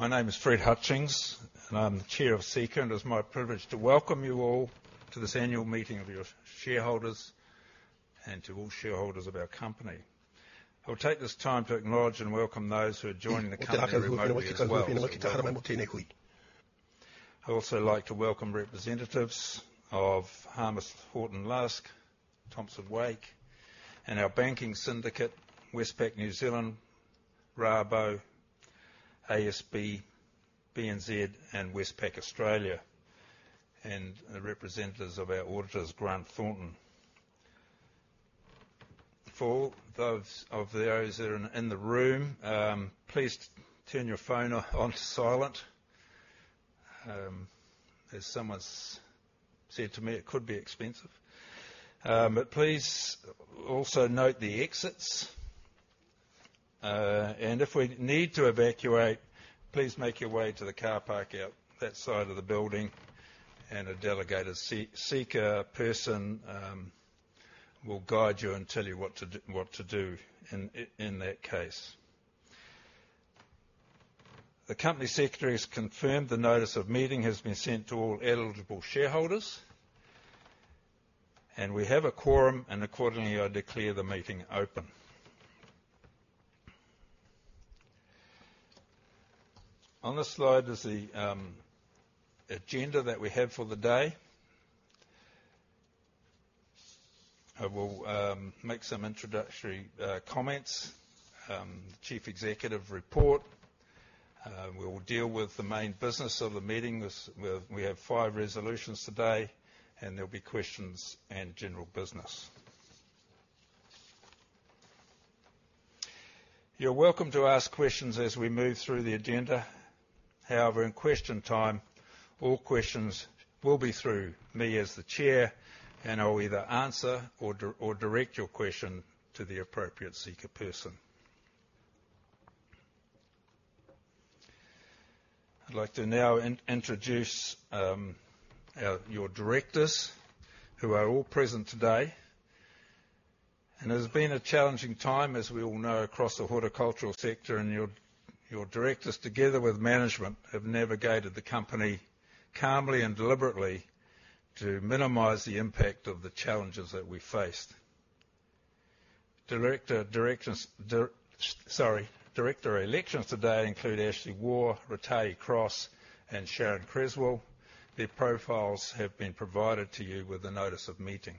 My name is Fred Hutchings, and I'm the Chair of Seeka, and it's my privilege to welcome you all to this annual meeting of your shareholders, and to all shareholders of our company. I will take this time to acknowledge and welcome those who are joining the company remotely as well. I'd also like to welcome representatives of Harmos Horton Lusk, Tompkins Wake, and our banking syndicate, Westpac New Zealand, Rabo, ASB, BNZ, and Westpac Australia, and the representatives of our auditors, Grant Thornton. For those that are in the room, please turn your phone on to silent. As someone's said to me, it could be expensive. But please also note the exits, and if we need to evacuate, please make your way to the car park out that side of the building, and a delegated Seeka person will guide you and tell you what to do in that case. The company secretary has confirmed the notice of meeting has been sent to all eligible shareholders, and we have a quorum, and accordingly, I declare the meeting open. On this slide is the agenda that we have for the day. I will make some introductory comments, the Chief Executive report. We will deal with the main business of the meeting. We have five resolutions today, and there'll be questions and general business. You're welcome to ask questions as we move through the agenda. However, in question time, all questions will be through me as the chair, and I'll either answer or direct your question to the appropriate Seeka person. I'd like to now introduce our, your directors, who are all present today. It has been a challenging time, as we all know, across the horticultural sector, and your directors, together with management, have navigated the company calmly and deliberately to minimize the impact of the challenges that we faced. Director elections today include Ashley Waugh, Ratahi Cross, and Sharon Cresswell. Their profiles have been provided to you with the notice of meeting.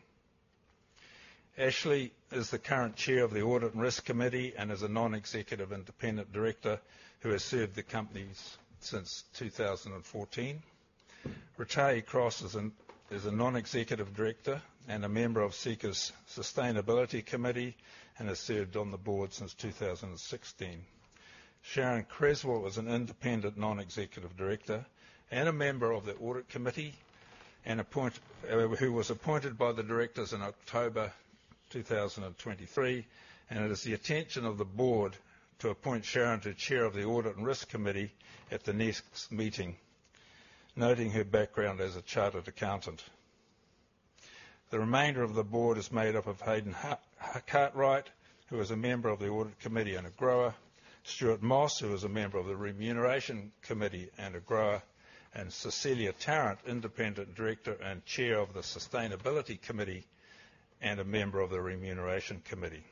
Ashley is the current Chair of the Audit and Risk Committee, and is a non-executive independent director who has served the company since 2014. Ratahi Cross is a non-executive director and a member of Seeka's Sustainability Committee, and has served on the board since 2016. Sharon Cresswell is an independent non-executive director and a member of the Audit Committee, who was appointed by the directors in October 2023, and it is the intention of the board to appoint Sharon to chair of the Audit and Risk Committee at the next meeting, noting her background as a chartered accountant. The remainder of the board is made up of Hayden Cartwright, who is a member of the Audit Committee and a grower, Stuart Moss, who is a member of the Remuneration Committee and a grower, and Cecilia Tarrant, independent director and chair of the Sustainability Committee, and a member of the Remuneration Committee.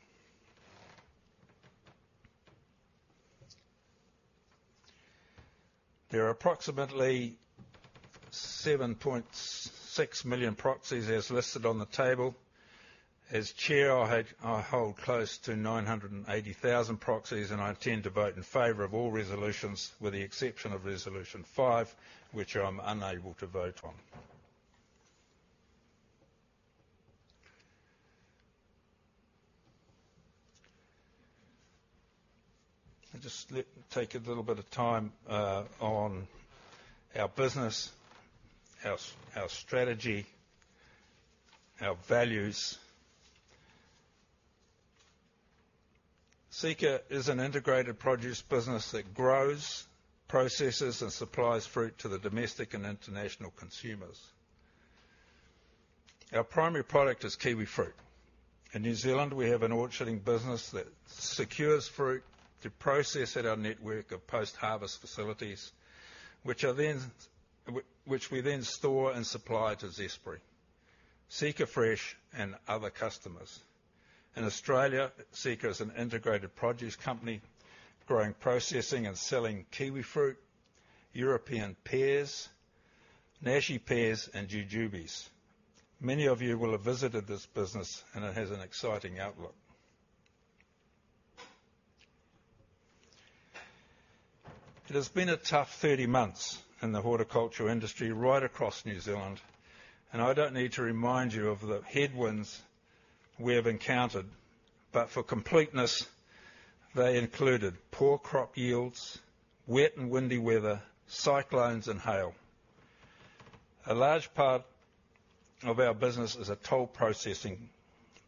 There are approximately 7.6 million proxies, as listed on the table. As chair, I hold close to 980,000 proxies, and I intend to vote in favor of all resolutions, with the exception of Resolution 5, which I'm unable to vote on. I'll just take a little bit of time on our business, our strategy, our values. Seeka is an integrated produce business that grows, processes, and supplies fruit to the domestic and international consumers. Our primary product is kiwifruit. In New Zealand, we have an orcharding business that secures fruit to process at our network of post-harvest facilities, which we then store and supply to Zespri, SeekaFresh, and other customers. In Australia, Seeka is an integrated produce company, growing, processing, and selling kiwifruit, European pears, Nashi pears, and jujubes. Many of you will have visited this business, and it has an exciting outlook. It has been a tough 30 months in the horticultural industry right across New Zealand, and I don't need to remind you of the headwinds we have encountered. But for completeness, they included poor crop yields, wet and windy weather, cyclones and hail. A large part of our business is a toll processing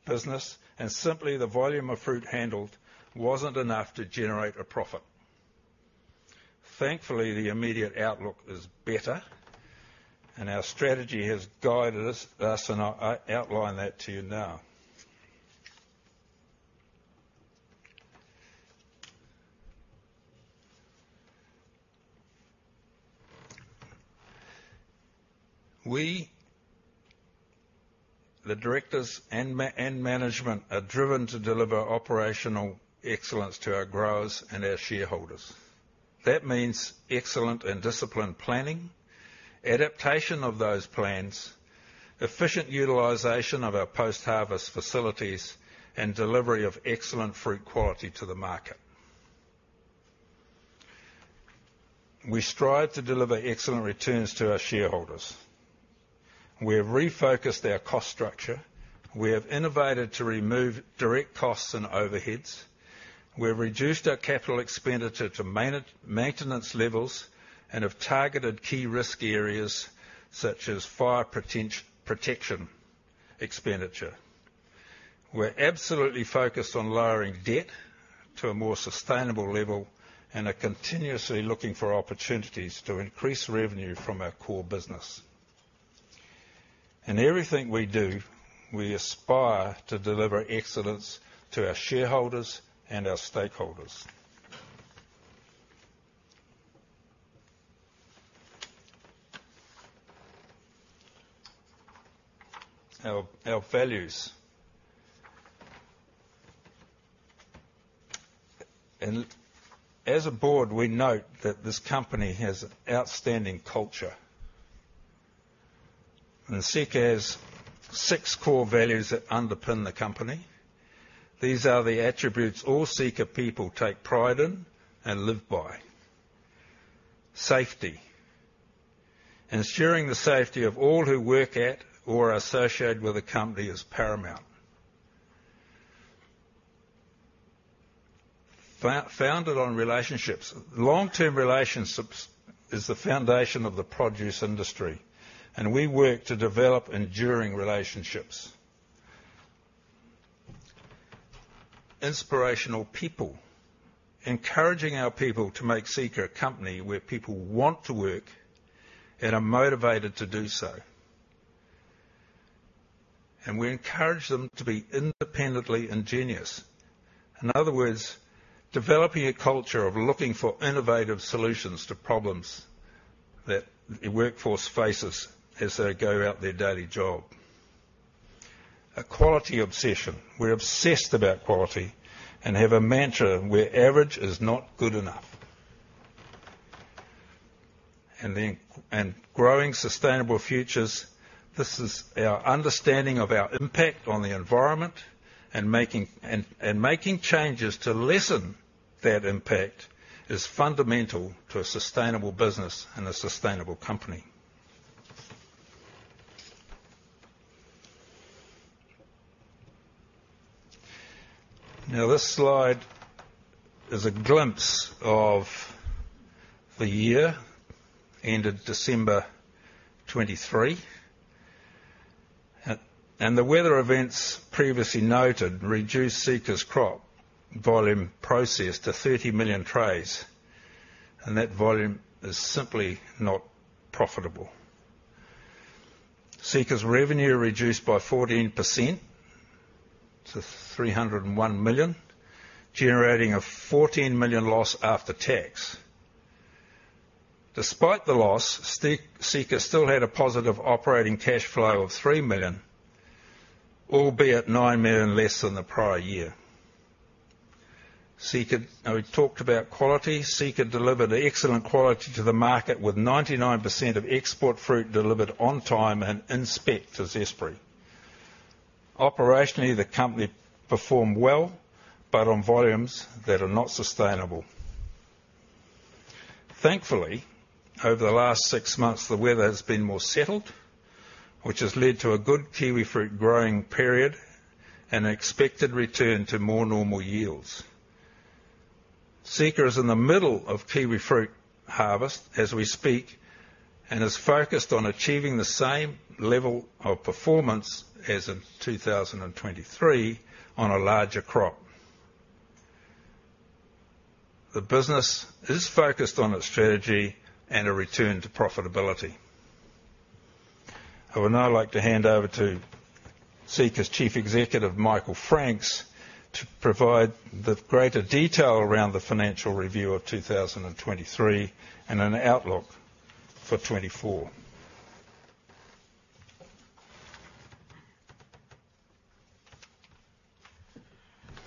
business, and simply, the volume of fruit handled wasn't enough to generate a profit. Thankfully, the immediate outlook is better, and our strategy has guided us, and I outline that to you now. We, the directors and management, are driven to deliver operational excellence to our growers and our shareholders. That means excellent and disciplined planning, adaptation of those plans, efficient utilization of our post-harvest facilities, and delivery of excellent fruit quality to the market. We strive to deliver excellent returns to our shareholders. We have refocused our cost structure. We have innovated to remove direct costs and overheads. We've reduced our capital expenditure to maintenance levels, and have targeted key risk areas such as fire protection expenditure. We're absolutely focused on lowering debt to a more sustainable level and are continuously looking for opportunities to increase revenue from our core business. In everything we do, we aspire to deliver excellence to our shareholders and our stakeholders. Our values. As a board, we note that this company has outstanding culture. Seeka has six core values that underpin the company. These are the attributes all Seeka people take pride in and live by. Safety. Ensuring the safety of all who work at or are associated with the company is paramount. Founded on relationships. Long-term relationships is the foundation of the produce industry, and we work to develop enduring relationships. Inspirational people. Encouraging our people to make Seeka a company where people want to work and are motivated to do so. And we encourage them to be independently ingenious. In other words, developing a culture of looking for innovative solutions to problems that the workforce faces as they go about their daily job. A quality obsession. We're obsessed about quality and have a mantra, "Where average is not good enough." And then, growing sustainable futures. This is our understanding of our impact on the environment and making changes to lessen that impact is fundamental to a sustainable business and a sustainable company. Now, this slide is a glimpse of the year ended December 2023. And the weather events previously noted reduced Seeka's crop volume processed to 30 million trays, and that volume is simply not profitable. Seeka's revenue reduced by 14% to 301 million, generating a 14 million loss after tax. Despite the loss, Seeka still had a positive operating cash flow of 3 million, albeit 9 million less than the prior year. Seeka. Now, we talked about quality. Seeka delivered excellent quality to the market, with 99% of export fruit delivered on time and inspect to Zespri. Operationally, the company performed well, but on volumes that are not sustainable. Thankfully, over the last 6 months, the weather has been more settled, which has led to a good kiwifruit growing period and an expected return to more normal yields. Seeka is in the middle of kiwifruit harvest as we speak, and is focused on achieving the same level of performance as in 2023 on a larger crop. The business is focused on its strategy and a return to profitability. I would now like to hand over to Seeka's Chief Executive, Michael Franks, to provide the greater detail around the financial review of 2023 and an outlook for 2024.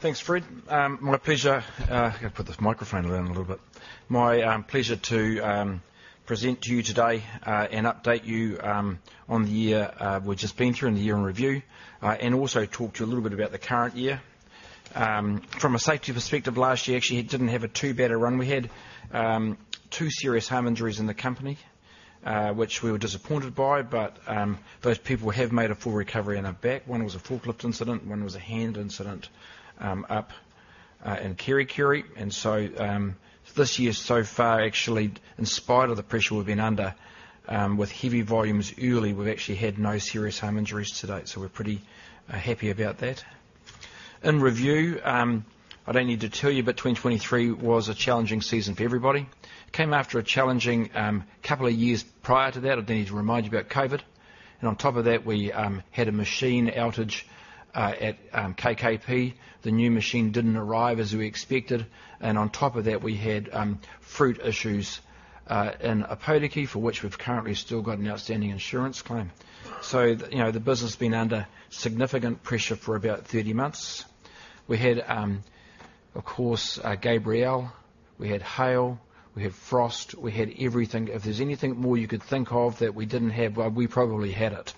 Thanks, Fred. My pleasure. I'm gonna put this microphone down a little bit. My pleasure to present to you today, and update you, on the year we've just been through and the year in review, and also talk to you a little bit about the current year. From a safety perspective, last year actually didn't have a too better run. We had two serious harm injuries in the company, which we were disappointed by, but those people have made a full recovery and are back. One was a forklift incident, one was a hand incident, up in Kerikeri. And so this year so far, actually, in spite of the pressure we've been under, with heavy volumes early, we've actually had no serious harm injuries to date, so we're pretty happy about that. In review, I don't need to tell you, but 2023 was a challenging season for everybody. Came after a challenging couple of years prior to that. I don't need to remind you about COVID. And on top of that, we had a machine outage at KKP. The new machine didn't arrive as we expected, and on top of that, we had fruit issues in Opotiki, for which we've currently still got an outstanding insurance claim. So the, you know, the business has been under significant pressure for about 30 months. We had, of course, Gabrielle, we had hail, we had frost, we had everything. If there's anything more you could think of that we didn't have, well, we probably had it.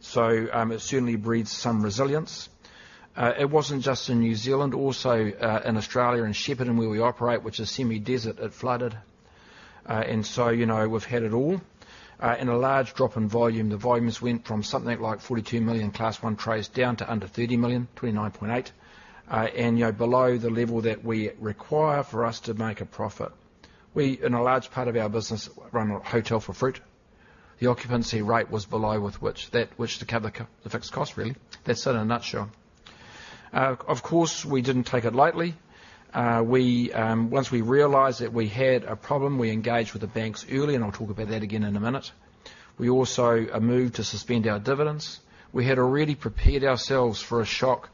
So, it certainly breeds some resilience. It wasn't just in New Zealand. Also in Australia, in Shepparton, where we operate, which is semi-desert, it flooded. And so, you know, we've had it all. And a large drop in volume. The volumes went from something like 42 million Class I trays down to under 30 million, 29.8. And, you know, below the level that we require for us to make a profit. We, in a large part of our business, run a hotel for fruit. The occupancy rate was below that which to cover the fixed cost, really. That's it in a nutshell. Of course, we didn't take it lightly. Once we realized that we had a problem, we engaged with the banks early, and I'll talk about that again in a minute. We also moved to suspend our dividends. We had already prepared ourselves for a shock.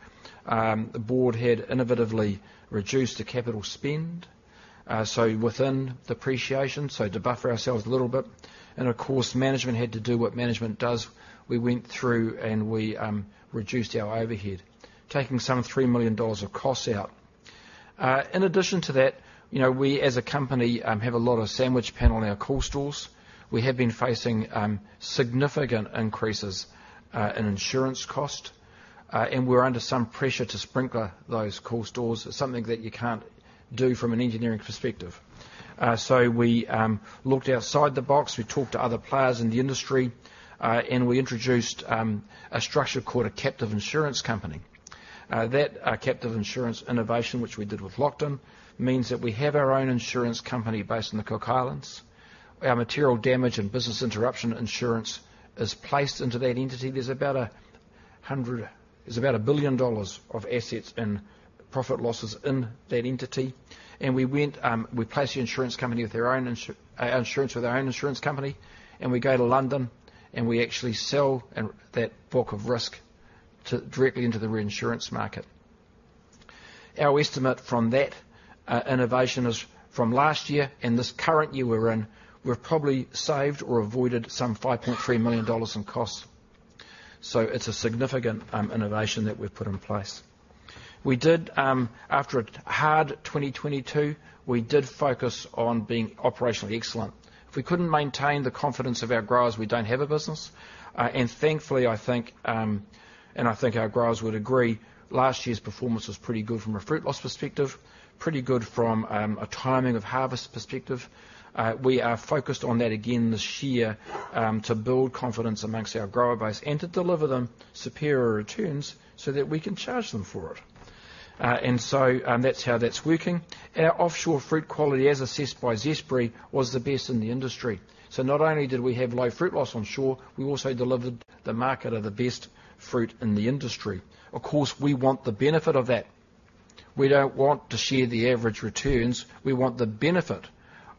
The board had innovatively reduced the capital spend, so within depreciation, so to buffer ourselves a little bit. Of course, management had to do what management does. We went through, and we reduced our overhead, taking some 3 million dollars of costs out. In addition to that, you know, we, as a company, have a lot of sandwich panel in our cool stores. We have been facing significant increases in insurance cost, and we're under some pressure to sprinkler those cool stores. Something that you can't do from an engineering perspective. So we looked outside the box, we talked to other players in the industry, and we introduced a structure called a captive insurance company. That captive insurance innovation, which we did with Lockton, means that we have our own insurance company based in the Cook Islands. Our material damage and business interruption insurance is placed into that entity. There's about a billion dollars of assets and profit losses in that entity, and we went. We placed the insurance company with their own insurance with our own insurance company, and we go to London, and we actually sell that block of risk directly into the reinsurance market. Our estimate from that innovation is from last year and this current year we're in, we've probably saved or avoided some 5.3 million dollars in costs. So it's a significant innovation that we've put in place. We did, after a hard 2022, we did focus on being operationally excellent. If we couldn't maintain the confidence of our growers, we don't have a business. And thankfully, I think, and I think our growers would agree, last year's performance was pretty good from a fruit loss perspective, pretty good from a timing of harvest perspective. We are focused on that again this year, to build confidence among our grower base and to deliver them superior returns so that we can charge them for it. And so, that's how that's working. And our offshore fruit quality, as assessed by Zespri, was the best in the industry. So not only did we have low fruit loss onshore, we also delivered the market of the best fruit in the industry. Of course, we want the benefit of that. We don't want to share the average returns. We want the benefit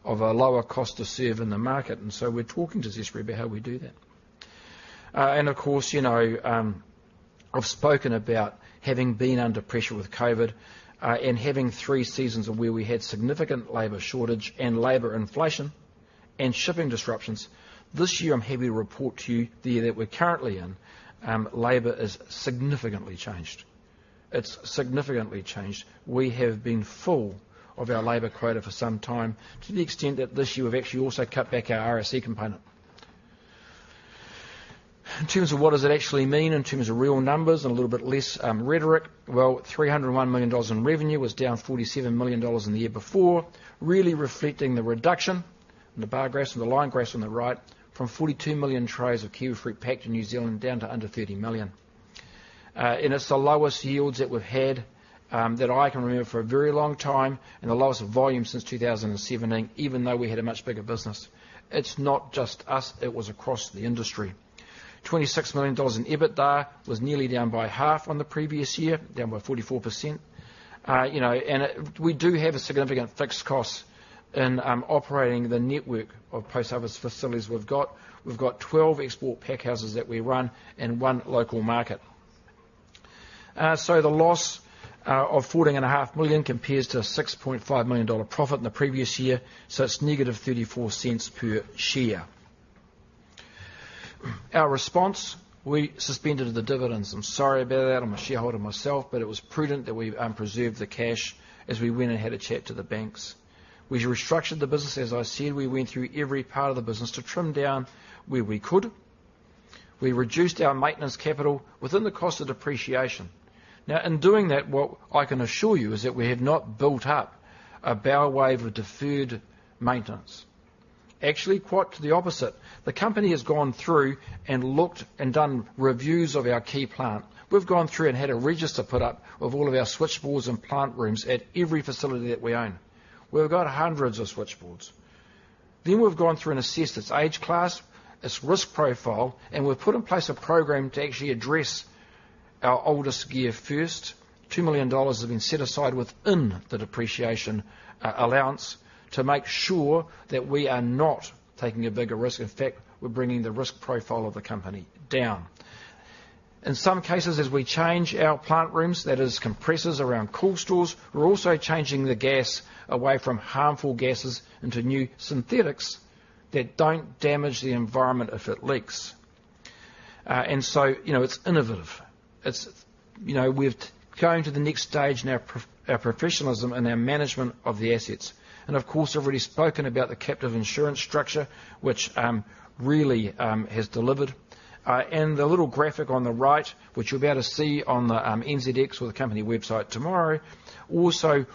of a lower cost to serve in the market, and so we're talking to Zespri about how we do that. And of course, you know, I've spoken about having been under pressure with COVID, and having three seasons of where we had significant labor shortage and labor inflation and shipping disruptions. This year, I'm happy to report to you, the year that we're currently in, labor is significantly changed. It's significantly changed. We have been full of our labor quota for some time, to the extent that this year we've actually also cut back our RSE component. In terms of what does it actually mean, in terms of real numbers and a little bit less rhetoric, well, 301 million dollars in revenue was down 47 million dollars in the year before, really reflecting the reduction in the bar graphs and the line graphs on the right from 42 million trays of kiwifruit packed in New Zealand, down to under 30 million. It's the lowest yields that we've had that I can remember for a very long time, and the lowest volume since 2017, even though we had a much bigger business. It's not just us, it was across the industry. 26 million dollars in EBITDA was nearly down by half on the previous year, down by 44%. You know, we do have a significant fixed cost in operating the network of post-harvest facilities we've got. We've got 12 export pack houses that we run and 1 local market. So the loss of 14.5 million compares to a 6.5 million dollar profit in the previous year, so it's negative 0.34 per share. Our response, we suspended the dividends. I'm sorry about that. I'm a shareholder myself, but it was prudent that we preserved the cash as we went and had a chat to the banks. We restructured the business. As I said, we went through every part of the business to trim down where we could. We reduced our maintenance capital within the cost of depreciation. Now, in doing that, what I can assure you is that we have not built up a bow wave of deferred maintenance. Actually, quite to the opposite, the company has gone through and looked and done reviews of our key plant. We've gone through and had a register put up of all of our switchboards and plant rooms at every facility that we own. We've got hundreds of switchboards. Then we've gone through and assessed its age class, its risk profile, and we've put in place a program to actually address our oldest gear first. 2 million dollars have been set aside within the depreciation allowance to make sure that we are not taking a bigger risk. In fact, we're bringing the risk profile of the company down. In some cases, as we change our plant rooms, that is, compressors around cool stores, we're also changing the gas away from harmful gases into new synthetics that don't damage the environment if it leaks. And so, it's innovative. It's going to the next stage in our professionalism and our management of the assets. And of course, I've already spoken about the captive insurance structure, which really has delivered. And the little graphic on the right, which you'll be able to see on the NZX or the company website tomorrow, also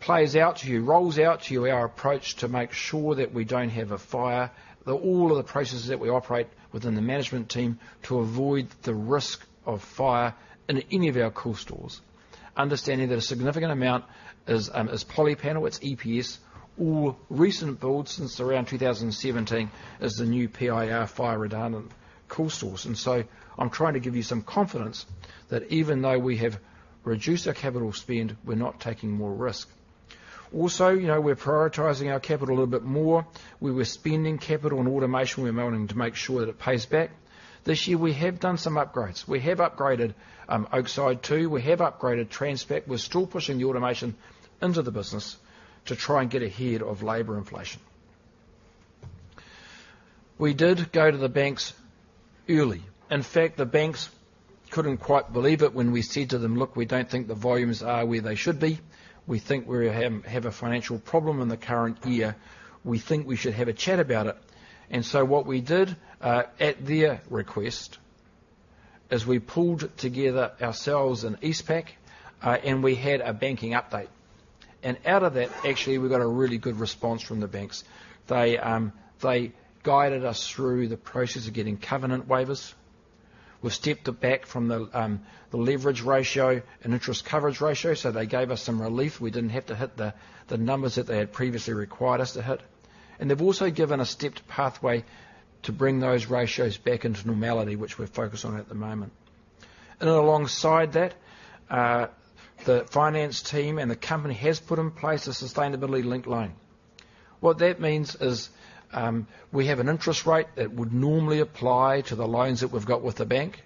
plays out to you, rolls out to you, our approach to make sure that we don't have a fire. That all of the processes that we operate within the management team to avoid the risk of fire in any of our cool stores. Understanding that a significant amount is poly panel, it's EPS, or recent builds since around 2017 is the new PIR fire-retardant cool stores. And so I'm trying to give you some confidence that even though we have reduced our capital spend, we're not taking more risk. Also, you know, we're prioritizing our capital a little bit more. Where we're spending capital on automation, we're wanting to make sure that it pays back. This year, we have done some upgrades. We have upgraded Oakside, too. We have upgraded Transpac. We're still pushing the automation into the business to try and get ahead of labor inflation. We did go to the banks early. In fact, the banks couldn't quite believe it when we said to them, "Look, we don't think the volumes are where they should be. We think we have a financial problem in the current year. We think we should have a chat about it." And so what we did, at their request, is we pulled together ourselves and Westpac, and we had a banking update. And out of that, actually, we got a really good response from the banks. They guided us through the process of getting covenant waivers. We've stepped it back from the leverage ratio and interest coverage ratio, so they gave us some relief. We didn't have to hit the numbers that they had previously required us to hit. And they've also given a stepped pathway to bring those ratios back into normality, which we're focused on at the moment. And alongside that, the finance team and the company has put in place a Sustainability Linked Loan. What that means is, we have an interest rate that would normally apply to the loans that we've got with the bank.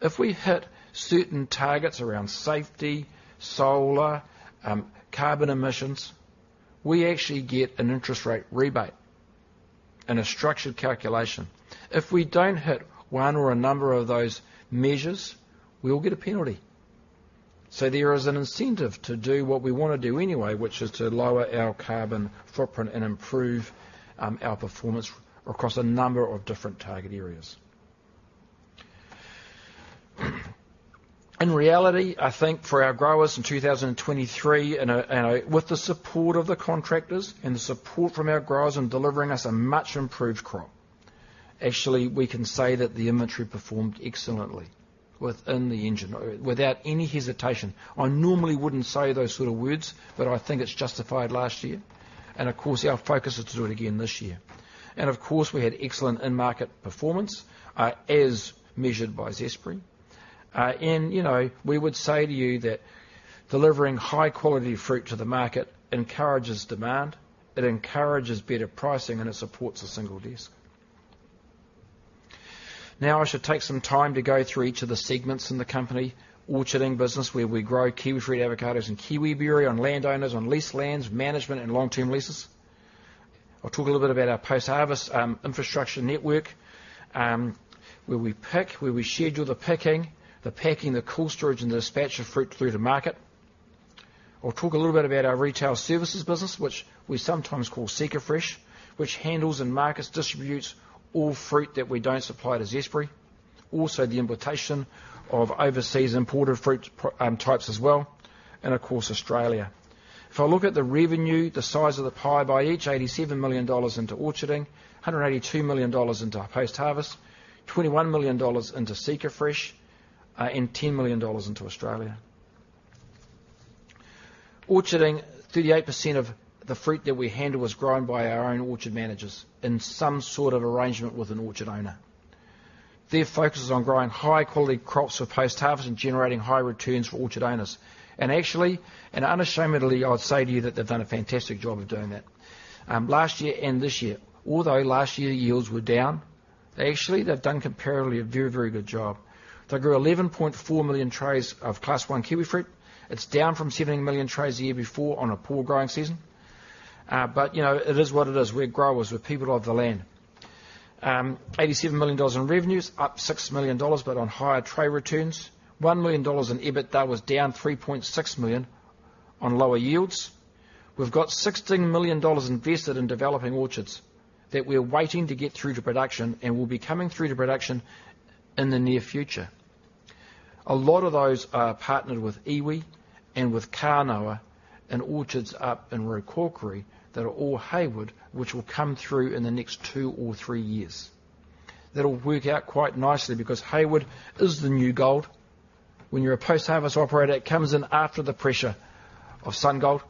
If we hit certain targets around safety, solar, carbon emissions, we actually get an interest rate rebate in a structured calculation. If we don't hit one or a number of those measures, we will get a penalty. So there is an incentive to do what we want to do anyway, which is to lower our carbon footprint and improve our performance across a number of different target areas. In reality, I think for our growers in 2023, and with the support of the contractors and the support from our growers in delivering us a much improved crop, actually, we can say that the inventory performed excellently within the engine without any hesitation. I normally wouldn't say those sort of words, but I think it's justified last year. Of course, our focus is to do it again this year. Of course, we had excellent in-market performance, as measured by Zespri. And, you know, we would say to you that delivering high-quality fruit to the market encourages demand, it encourages better pricing, and it supports a single desk. Now, I should take some time to go through each of the segments in the company. Orcharding business, where we grow kiwifruit, avocados, and kiwiberry on landowners, on leased lands, management, and long-term leases. I'll talk a little bit about our post-harvest infrastructure network, where we pick, where we schedule the picking, the packing, the cool storage, and the dispatch of fruit through to market. I'll talk a little bit about our retail services business, which we sometimes call SeekaFresh, which handles and markets, distributes all fruit that we don't supply to Zespri. Also, the importation of overseas imported fruit pro, types as well, and of course, Australia. If I look at the revenue, the size of the pie by each, 87 million dollars into orcharding, 182 million dollars into post-harvest, 21 million dollars into SeekaFresh, and 10 million dollars into Australia. Orcharding, 38% of the fruit that we handle is grown by our own orchard managers in some sort of arrangement with an orchard owner. Their focus is on growing high-quality crops for post-harvest and generating high returns for orchard owners. And actually, and unashamedly, I'd say to you that they've done a fantastic job of doing that. Last year and this year. Although last year, the yields were down, they actually, they've done comparatively a very, very good job. They grew 11.4 million trays of Class One kiwifruit. It's down from 17 million trays the year before on a poor growing season. But you know, it is what it is. We're growers. We're people of the land. 87 million dollars in revenues, up 6 million dollars, but on higher tray returns. 1 million dollars in EBITDA was down 3.6 million on lower yields. We've got 16 million dollars invested in developing orchards that we're waiting to get through to production and will be coming through to production in the near future. A lot of those are partnered with iwi and with Kanawa and orchards up in Raukokore that are all Hayward, which will come through in the next two or three years. That'll work out quite nicely because Hayward is the new gold. When you're a post-harvest operator, it comes in after the pressure of SunGold.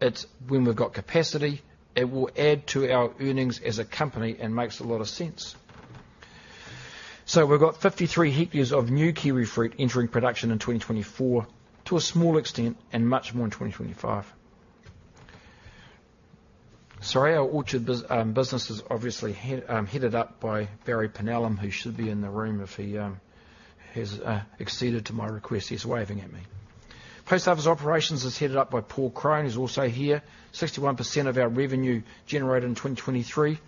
It's when we've got capacity, it will add to our earnings as a company and makes a lot of sense. So we've got 53 hectares of new kiwifruit entering production in 2024, to a small extent, and much more in 2025. Sorry, our orchard business is obviously headed up by Barry Pennell, who should be in the room if he has acceded to my request. He's waving at me. Post-harvest operations is headed up by Paul Crone, who's also here. 61% of our revenue generated in 2023.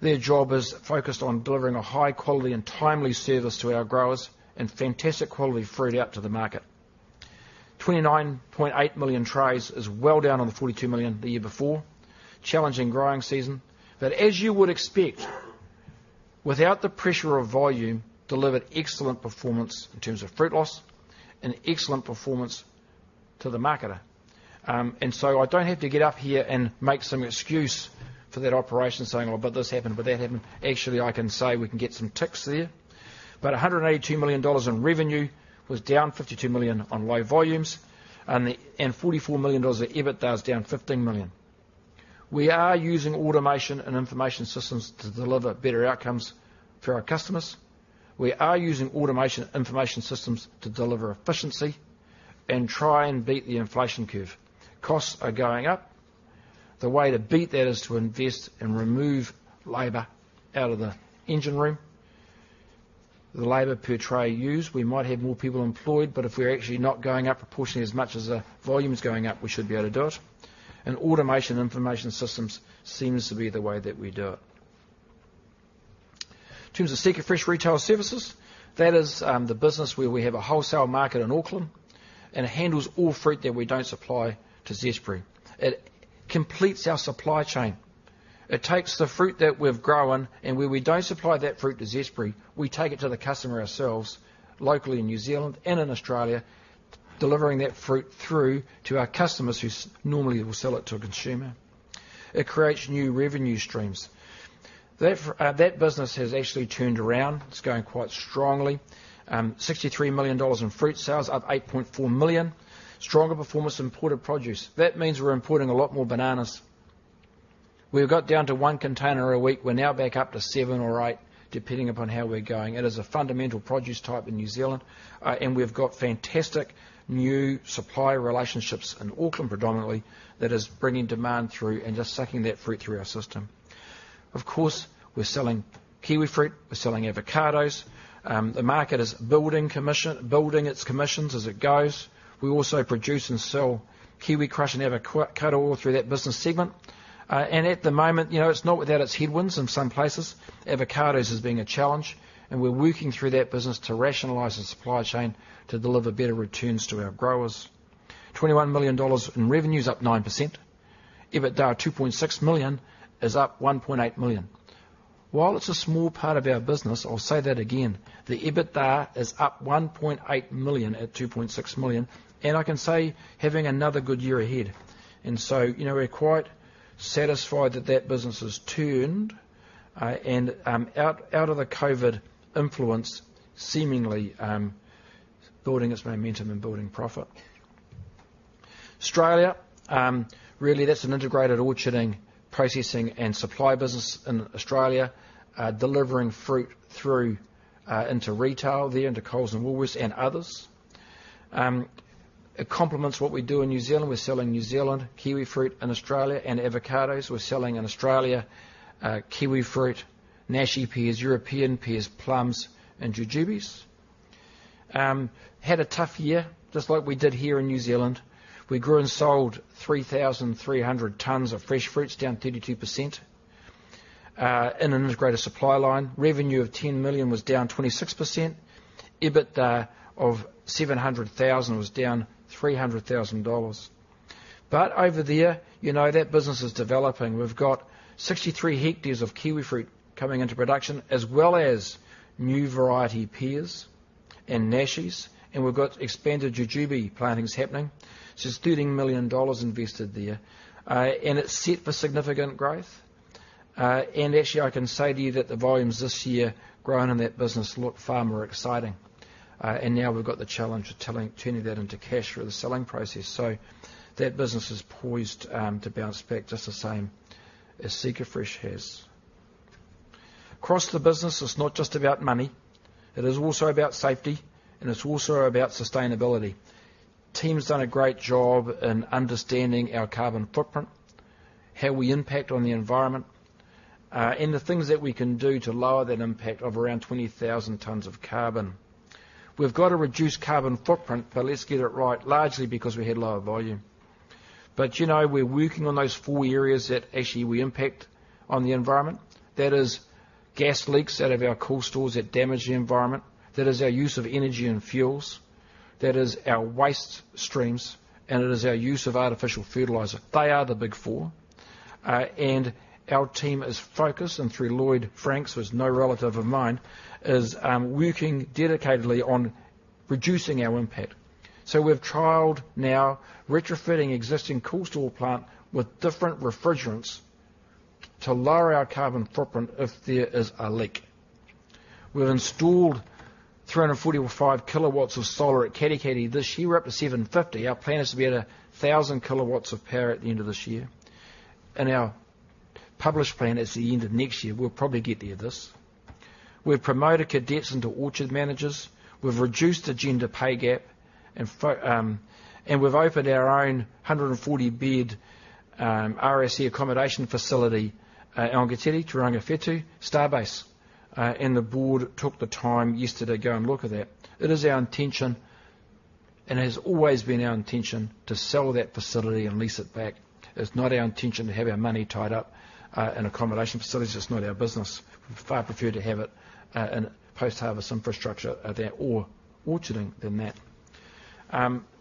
Their job is focused on delivering a high quality and timely service to our growers, and fantastic quality fruit out to the market. 29.8 million trays is well down on the 42 million the year before. Challenging growing season. But as you would expect, without the pressure of volume, delivered excellent performance in terms of fruit loss and excellent performance to the marketer. And so I don't have to get up here and make some excuse for that operation, saying, "Oh, but this happened, but that happened." Actually, I can say we can get some ticks there. But 182 million dollars in revenue was down 52 million on low volumes, and 44 million dollars of EBITDA is down 15 million. We are using automation and information systems to deliver better outcomes for our customers. We are using automation and information systems to deliver efficiency and try and beat the inflation curve. Costs are going up. The way to beat that is to invest and remove labor out of the engine room. The labor per tray used, we might have more people employed, but if we're actually not going up proportionately as much as the volume is going up, we should be able to do it, and automation information systems seems to be the way that we do it. In terms of SeekaFresh, that is, the business where we have a wholesale market in Auckland, and it handles all fruit that we don't supply to Zespri. It completes our supply chain. It takes the fruit that we've grown, and where we don't supply that fruit to Zespri, we take it to the customer ourselves, locally in New Zealand and in Australia, delivering that fruit through to our customers, who normally will sell it to a consumer. It creates new revenue streams. That business has actually turned around. It's going quite strongly. 63 million dollars in fruit sales, up 8.4 million. Stronger performance in imported produce. That means we're importing a lot more bananas. We've got down to 1 container a week. We're now back up to 7 or 8, depending upon how we're going. It is a fundamental produce type in New Zealand, and we've got fantastic new supplier relationships in Auckland, predominantly, that is bringing demand through and just sucking that fruit through our system. Of course, we're selling kiwifruit, we're selling avocados. The market is building commission, building its commissions as it goes. We also produce and sell KiwiCrush and avocado all through that business segment. And at the moment, you know, it's not without its headwinds in some places. Avocados has been a challenge, and we're working through that business to rationalize the supply chain to deliver better returns to our growers. 21 million dollars in revenue, is up 9%. EBITDA, 2.6 million, is up 1.8 million. While it's a small part of our business, I'll say that again, the EBITDA is up 1.8 million at 2.6 million, and I can say, having another good year ahead. And so, you know, we're quite satisfied that that business has turned, and out of the COVID influence, seemingly, building its momentum and building profit. Australia, really, that's an integrated orcharding, processing, and supply business in Australia, delivering fruit through, into retail there, into Coles and Woolworths, and others. It complements what we do in New Zealand. We're selling New Zealand kiwifruit in Australia and avocados. We're selling in Australia, kiwifruit, nashi pears, European pears, plums, and jujubes. Had a tough year, just like we did here in New Zealand. We grew and sold 3,300 tons of fresh fruits, down 32%, in an integrated supply line. Revenue of 10 million was down 26%. EBITDA of 700,000 was down 300,000 dollars. But over there, you know, that business is developing. We've got 63 hectares of kiwifruit coming into production, as well as new variety pears and nashis, and we've got expanded jujube plantings happening. So it's 13 million dollars invested there, and it's set for significant growth. And actually, I can say to you that the volumes this year growing in that business look far more exciting. And now we've got the challenge of telling, turning that into cash through the selling process. So that business is poised to bounce back just the same as SeekaFresh has. Across the business, it's not just about money. It is also about safety, and it's also about sustainability. Team's done a great job in understanding our carbon footprint, how we impact on the environment, and the things that we can do to lower that impact of around 20,000 tons of carbon. We've got to reduce carbon footprint, but let's get it right, largely because we had lower volume. But you know, we're working on those four areas that actually we impact on the environment. That is gas leaks out of our cool stores that damage the environment. That is our use of energy and fuels. That is our waste streams, and it is our use of artificial fertilizer. They are the big four, and our team is focused, and through Lloyd Franks, who is no relative of mine, is working dedicatedly on reducing our impact. So we've trialed now retrofitting existing cool store plant with different refrigerants to lower our carbon footprint if there is a leak. We've installed 345 kW of solar at Katikati this year. We're up to 750. Our plan is to be at 1,000 kW of power at the end of this year. In our published plan, it's the end of next year; we'll probably get there this. We've promoted cadets into orchard managers. We've reduced the gender pay gap, and we've opened our own 140-bed RSE accommodation facility in Ongare Point, Tauranga, Whetu, Starbase. And the board took the time yesterday to go and look at that. It is our intention, and has always been our intention, to sell that facility and lease it back. It's not our intention to have our money tied up in accommodation facilities. It's not our business. We far prefer to have it in post-harvest infrastructure there, or orcharding than that.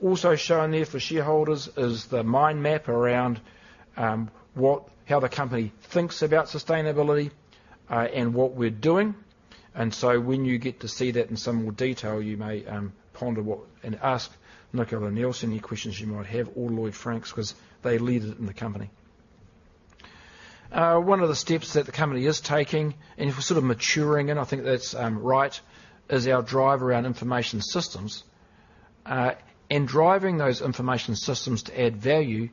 Also shown there for shareholders is the mind map around how the company thinks about sustainability, and what we're doing. And so when you get to see that in some more detail, you may ponder what, and ask Nicola Neilson any questions you might have, or Lloyd Franks, 'cause they lead it in the company. One of the steps that the company is taking, and we're sort of maturing, and I think that's right, is our drive around information systems. And driving those information systems to add value,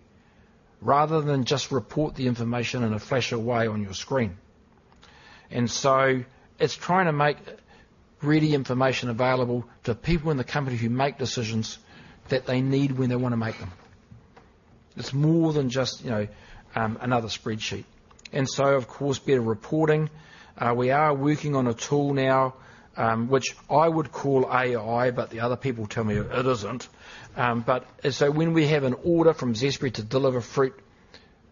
rather than just report the information in a flash away on your screen. And so it's trying to make ready information available to people in the company who make decisions that they need when they want to make them. It's more than just, you know, another spreadsheet. And so, of course, better reporting. We are working on a tool now, which I would call AI, but the other people tell me it isn't. When we have an order from Zespri to deliver fruit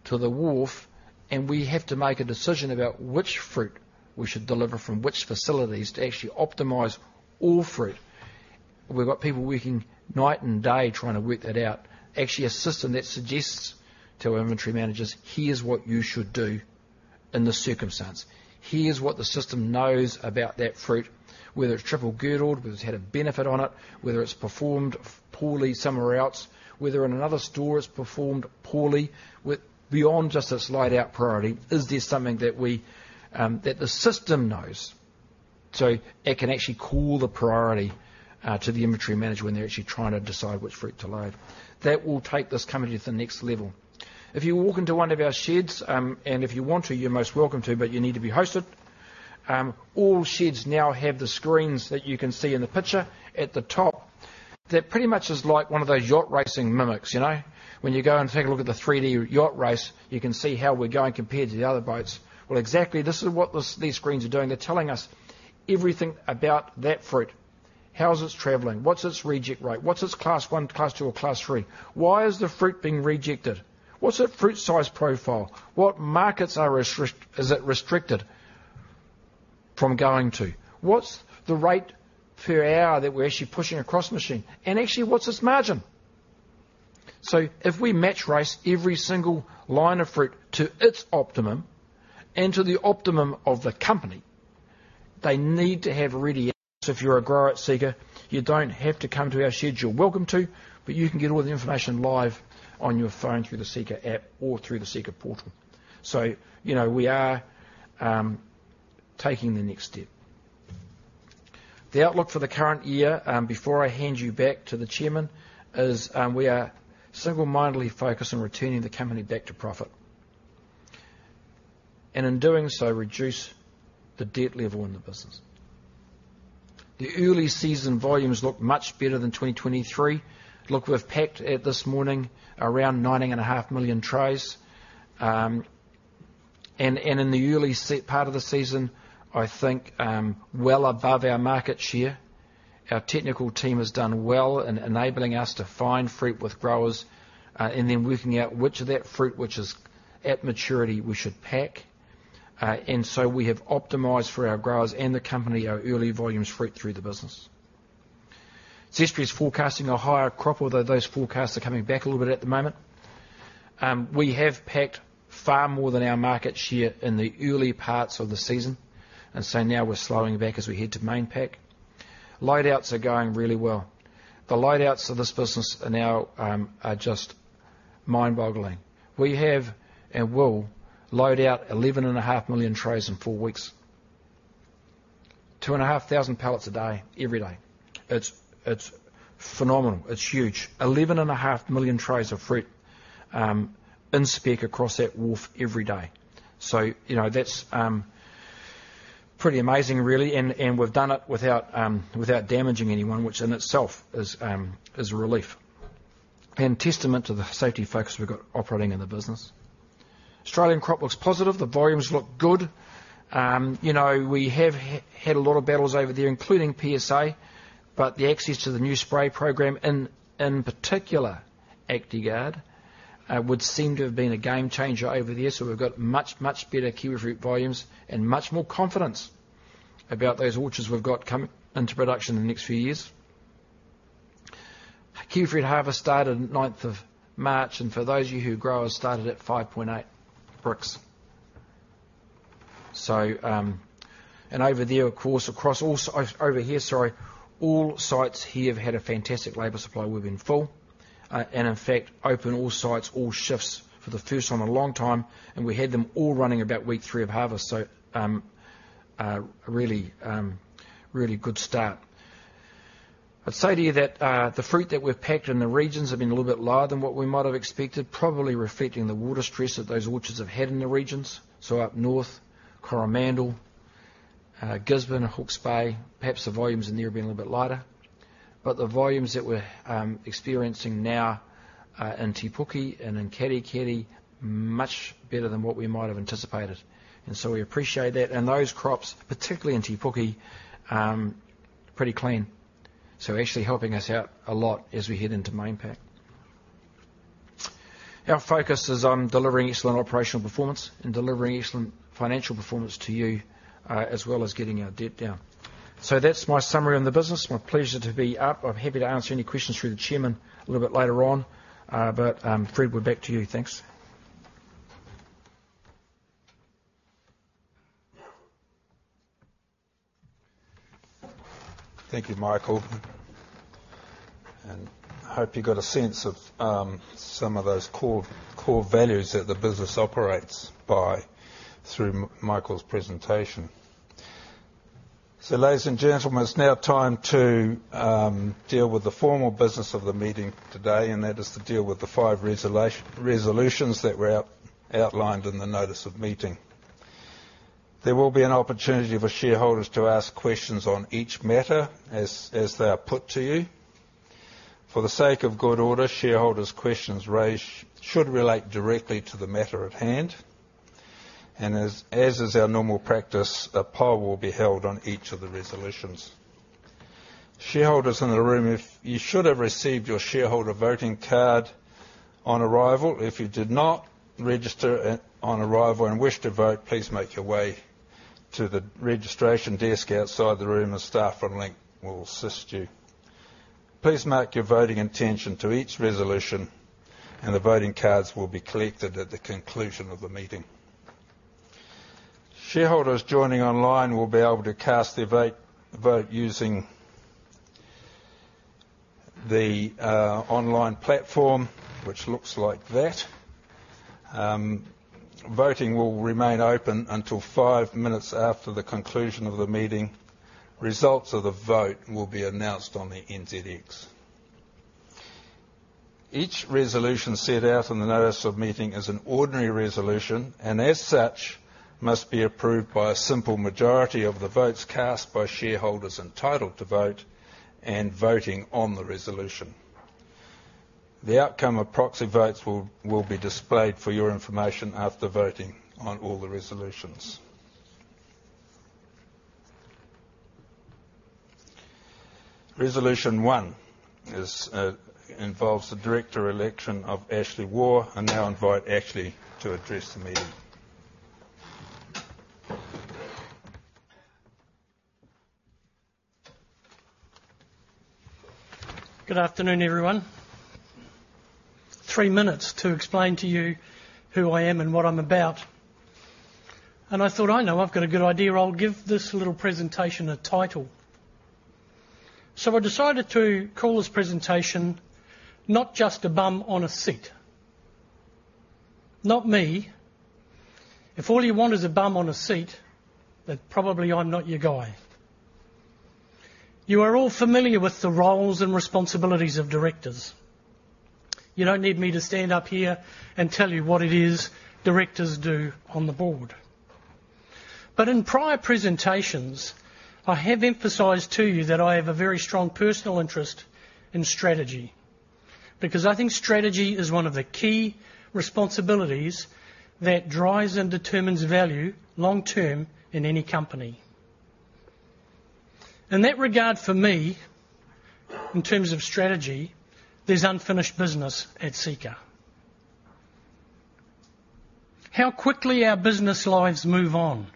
to the wharf, and we have to make a decision about which fruit we should deliver from which facilities to actually optimize all fruit, we've got people working night and day trying to work that out. Actually, a system that suggests to our inventory managers: "Here's what you should do in this circumstance. Here's what the system knows about that fruit, whether it's triple girdled, whether it's had a benefit on it, whether it's performed poorly somewhere else, whether in another store it's performed poorly, with beyond just a slide-out priority, is there something that we, that the system knows?" So it can actually call the priority to the inventory manager when they're actually trying to decide which fruit to load. That will take this company to the next level. If you walk into one of our sheds, and if you want to, you're most welcome to, but you need to be hosted. All sheds now have the screens that you can see in the picture at the top. That pretty much is like one of those yacht racing mimics, you know? When you go and take a look at the 3-D yacht race, you can see how we're going compared to the other boats. Well, exactly, this is what these screens are doing. They're telling us everything about that fruit. How is it traveling? What's its reject rate? What's its Class I, Class II, or Class III? Why is the fruit being rejected? What's its fruit size profile? What markets is it restricted from going to? What's the rate per hour that we're actually pushing across the machine? And actually, what's its margin? So if we match race every single line of fruit to its optimum and to the optimum of the company, they need to have ready. So if you're a grower at Seeka, you don't have to come to our shed. You're welcome to, but you can get all the information live on your phone through the Seeka app or through the Seeka portal. So, you know, we are taking the next step. The outlook for the current year, before I hand you back to the chairman, is we are single-mindedly focused on returning the company back to profit, and in doing so, reduce the debt level in the business. The early season volumes look much better than 2023. Look, we've packed at this morning around 9.5 million trays. In the early part of the season, I think, well above our market share. Our technical team has done well in enabling us to find fruit with growers, and then working out which of that fruit, which is at maturity, we should pack. And so we have optimized for our growers and the company, our early volumes fruit through the business. Zespri is forecasting a higher crop, although those forecasts are coming back a little bit at the moment. We have packed far more than our market share in the early parts of the season, and so now we're slowing back as we head to main pack. Loadouts are going really well. The loadouts of this business are now just mind-boggling. We have and will load out 11.5 million trays in 4 weeks. 2,500 pallets a day, every day. It's phenomenal. It's huge. 11.5 million trays of fruit in spec across that wharf every day. So, you know, that's pretty amazing, really, and we've done it without damaging anyone, which in itself is a relief, and testament to the safety focus we've got operating in the business. Australian crop looks positive. The volumes look good. You know, we have had a lot of battles over there, including PSA, but the access to the new spray program, in particular, Actigard, would seem to have been a game changer over there. So we've got much, much better kiwifruit volumes and much more confidence about those orchards we've got coming into production in the next few years. Kiwifruit harvest started ninth of March, and for those of you who grow, it started at 5.8 Brix. So, and over here, of course, all sites here have had a fantastic labor supply. We've been full, and in fact, open all sites, all shifts for the first time in a long time, and we had them all running about week 3 of harvest. So, really good start. I'd say to you that the fruit that we've packed in the regions have been a little bit lower than what we might have expected, probably reflecting the water stress that those orchards have had in the regions. So up north, Coromandel, Gisborne, Hawke's Bay, perhaps the volumes in there have been a little bit lighter. But the volumes that we're experiencing now in Te Puke and in Katikati, much better than what we might have anticipated. And so we appreciate that. And those crops, particularly in Te Puke, pretty clean. So actually helping us out a lot as we head into main pack. Our focus is on delivering excellent operational performance and delivering excellent financial performance to you, as well as getting our debt down. So that's my summary on the business. My pleasure to be up. I'm happy to answer any questions through the chairman a little bit later on. But Fred, we're back to you. Thanks. Thank you, Michael. I hope you got a sense of some of those core, core values that the business operates by through Michael's presentation. Ladies and gentlemen, it's now time to deal with the formal business of the meeting today, and that is to deal with the five resolutions that were outlined in the notice of meeting. There will be an opportunity for shareholders to ask questions on each matter as they are put to you. For the sake of good order, shareholders' questions raised should relate directly to the matter at hand, and as is our normal practice, a poll will be held on each of the resolutions. Shareholders in the room, if you should have received your shareholder voting card on arrival. If you did not register it on arrival and wish to vote, please make your way to the registration desk outside the room, and staff on Link will assist you. Please mark your voting intention to each resolution, and the voting cards will be collected at the conclusion of the meeting. Shareholders joining online will be able to cast their vote using the online platform, which looks like that. Voting will remain open until five minutes after the conclusion of the meeting. Results of the vote will be announced on the NZX. Each resolution set out in the notice of meeting is an ordinary resolution, and as such, must be approved by a simple majority of the votes cast by shareholders entitled to vote and voting on the resolution. The outcome of proxy votes will be displayed for your information after voting on all the resolutions. Resolution one is, involves the director election of Ashley Waugh. I now invite Ashley to address the meeting. Good afternoon, everyone. Three minutes to explain to you who I am and what I'm about, and I thought, I know, I've got a good idea. I'll give this little presentation a title. So I decided to call this presentation, Not Just a Bum on a Seat. Not me. If all you want is a bum on a seat, then probably I'm not your guy. You are all familiar with the roles and responsibilities of directors. You don't need me to stand up here and tell you what it is directors do on the board. But in prior presentations, I have emphasized to you that I have a very strong personal interest in strategy, because I think strategy is one of the key responsibilities that drives and determines value long term in any company. In that regard, for me, in terms of strategy, there's unfinished business at Seeka. How quickly our business lives move on.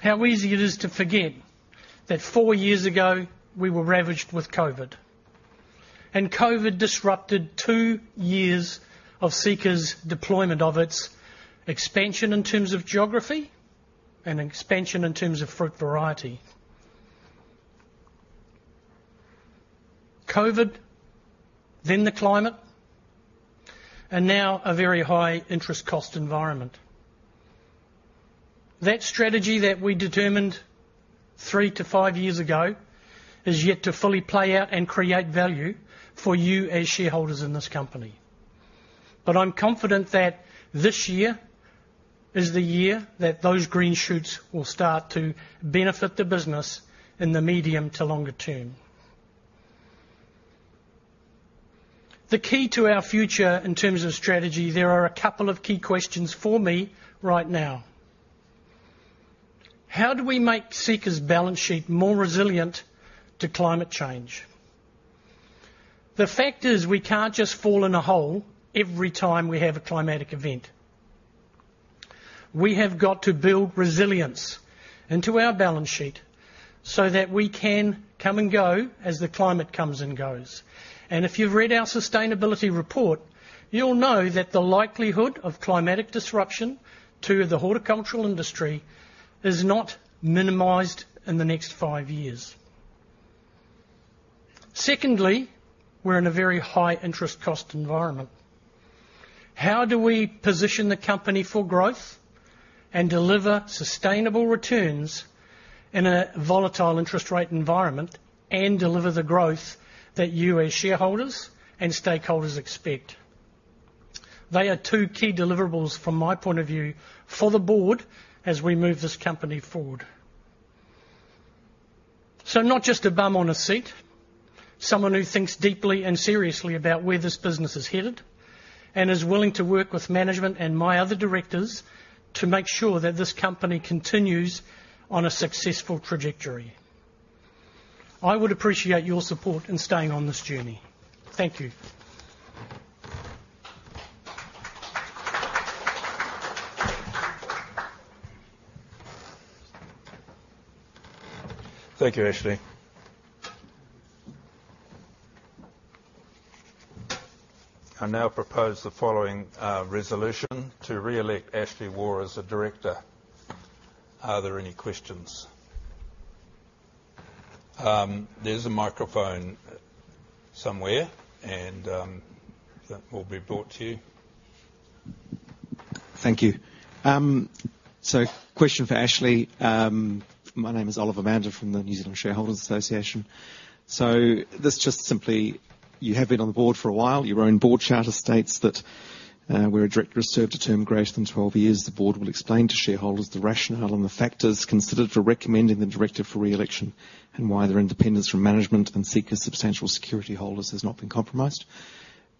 How easy it is to forget that four years ago, we were ravaged with COVID, and COVID disrupted two years of Seeka's deployment of its expansion in terms of geography and expansion in terms of fruit variety. COVID, then the climate, and now a very high interest cost environment. That strategy that we determined three to five years ago is yet to fully play out and create value for you as shareholders in this company. But I'm confident that this year is the year that those green shoots will start to benefit the business in the medium to longer term. The key to our future in terms of strategy, there are a couple of key questions for me right now: How do we make Seeka's balance sheet more resilient to climate change? The fact is, we can't just fall in a hole every time we have a climatic event. We have got to build resilience into our balance sheet, so that we can come and go as the climate comes and goes. And if you've read our sustainability report, you'll know that the likelihood of climatic disruption to the horticultural industry is not minimized in the next five years. Secondly, we're in a very high interest cost environment. How do we position the company for growth and deliver sustainable returns in a volatile interest rate environment and deliver the growth that you, as shareholders and stakeholders, expect? They are two key deliverables from my point of view for the board as we move this company forward. Not just a bum on a seat, someone who thinks deeply and seriously about where this business is headed, and is willing to work with management and my other directors to make sure that this company continues on a successful trajectory. I would appreciate your support in staying on this journey. Thank you. Thank you, Ashley. I now propose the following resolution: to reelect Ashley Waugh as a director. Are there any questions? There's a microphone somewhere, and that will be brought to you. Thank you. So question for Ashley. My name is Oliver Mander from the New Zealand Shareholders' Association. This just simply, you have been on the board for a while. Your own board charter states that, "Where a director has served a term greater than 12 years, the board will explain to shareholders the rationale and the factors considered for recommending the director for re-election, and why their independence from management and Seeka substantial security holders has not been compromised."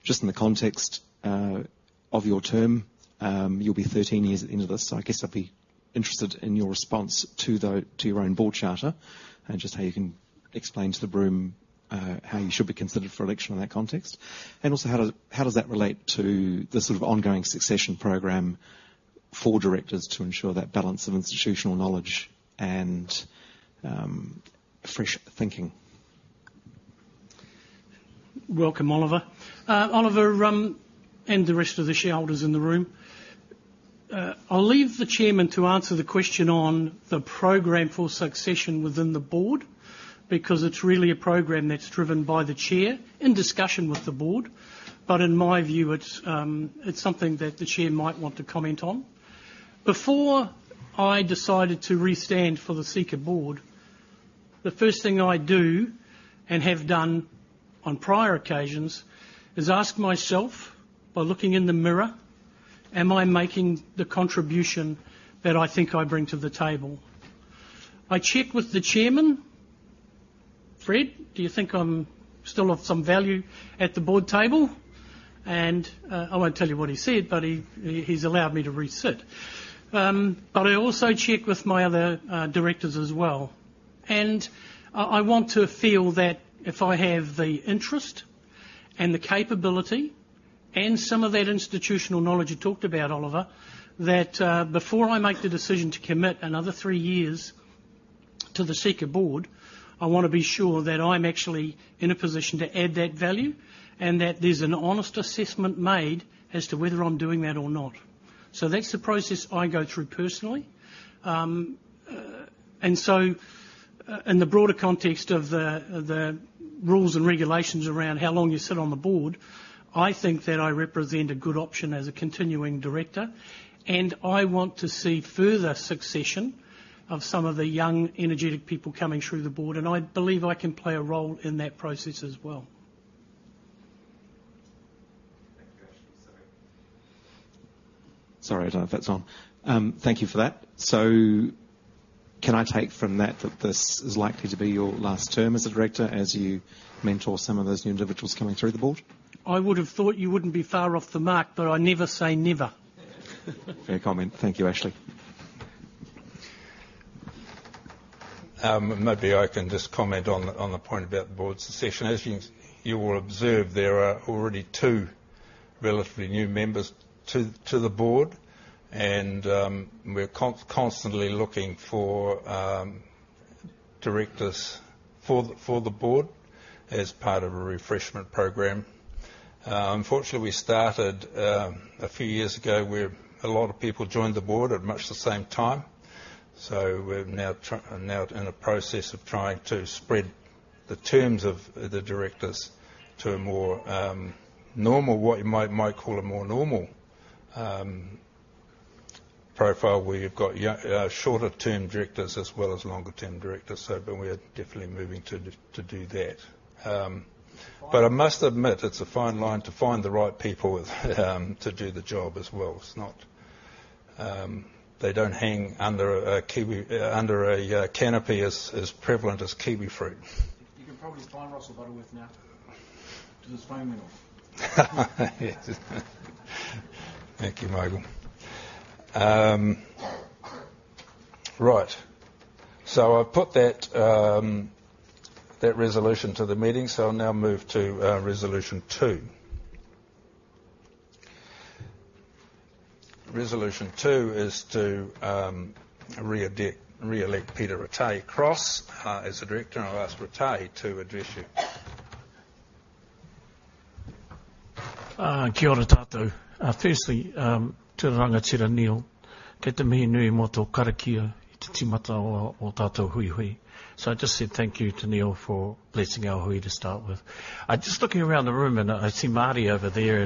Just in the context of your term, you'll be 13 years at the end of this. So I guess I'd be interested in your response to your own board charter, and just how you can explain to the room how you should be considered for election in that context. And also, how does that relate to the sort of ongoing succession program for directors to ensure that balance of institutional knowledge and fresh thinking? Welcome, Oliver. Oliver, and the rest of the shareholders in the room, I'll leave the chairman to answer the question on the program for succession within the board, because it's really a program that's driven by the chair in discussion with the board, but in my view, it's, it's something that the chair might want to comment on. Before I decided to re-stand for the Seeka board, the first thing I do and have done on prior occasions is ask myself by looking in the mirror: Am I making the contribution that I think I bring to the table? I check with the chairman: "Fred, do you think I'm still of some value at the board table?" And, I won't tell you what he said, but he, he's allowed me to re-sit. But I also check with my other, directors as well. And, I want to feel that if I have the interest, and the capability, and some of that institutional knowledge you talked about, Oliver, that, before I make the decision to commit another three years to the Seeka board, I wanna be sure that I'm actually in a position to add that value, and that there's an honest assessment made as to whether I'm doing that or not. So that's the process I go through personally. And so, in the broader context of the rules and regulations around how long you sit on the board, I think that I represent a good option as a continuing director, and I want to see further succession of some of the young, energetic people coming through the board, and I believe I can play a role in that process as well. Thank you, Ashley. Sorry. Sorry, I don't know if that's on. Thank you for that. So can I take from that, that this is likely to be your last term as a director, as you mentor some of those new individuals coming through the board? I would have thought you wouldn't be far off the mark, but I never say never. Fair comment. Thank you, Ashley. Maybe I can just comment on the point about the board succession. As you will observe, there are already two relatively new members to the board, and we're constantly looking for directors for the board as part of a refreshment program. Unfortunately, we started a few years ago, where a lot of people joined the board at much the same time. So we're now in a process of trying to spread the terms of the directors to a more normal, what you might call a more normal profile, where you've got shorter-term directors as well as longer-term directors. So, but we are definitely moving to do that. But I must admit, it's a fine line to find the right people with to do the job as well. It's not, they don't hang under a canopy as prevalent as kiwifruit. You can probably find Russell Butterworth now, 'cause he's very minimal. Thank you, Michael. Right. So I've put that, that resolution to the meeting, so I'll now move to, resolution two. Resolution two is to re-elect Peter Ratahi Cross as a director. And I'll ask Ratahi to address you. Kia ora tatou. Firstly, to the Rangatira, Neil, so I just said thank you to Neil for blessing our hui to start with. I'm just looking around the room, and I see Marty over there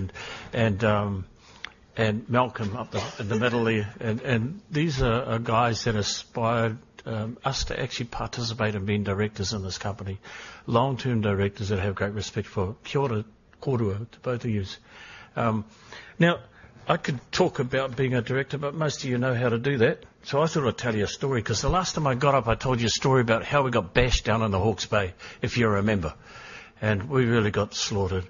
and Malcolm up in the middle there. These are guys that inspired us to actually participate in being directors in this company, long-term directors that have great respect for. Kia ora koroua to both of yous. Now, I could talk about being a director, but most of you know how to do that. So I thought I'd tell you a story, 'cause the last time I got up, I told you a story about how we got bashed down in the Hawke's Bay, if you remember, and we really got slaughtered.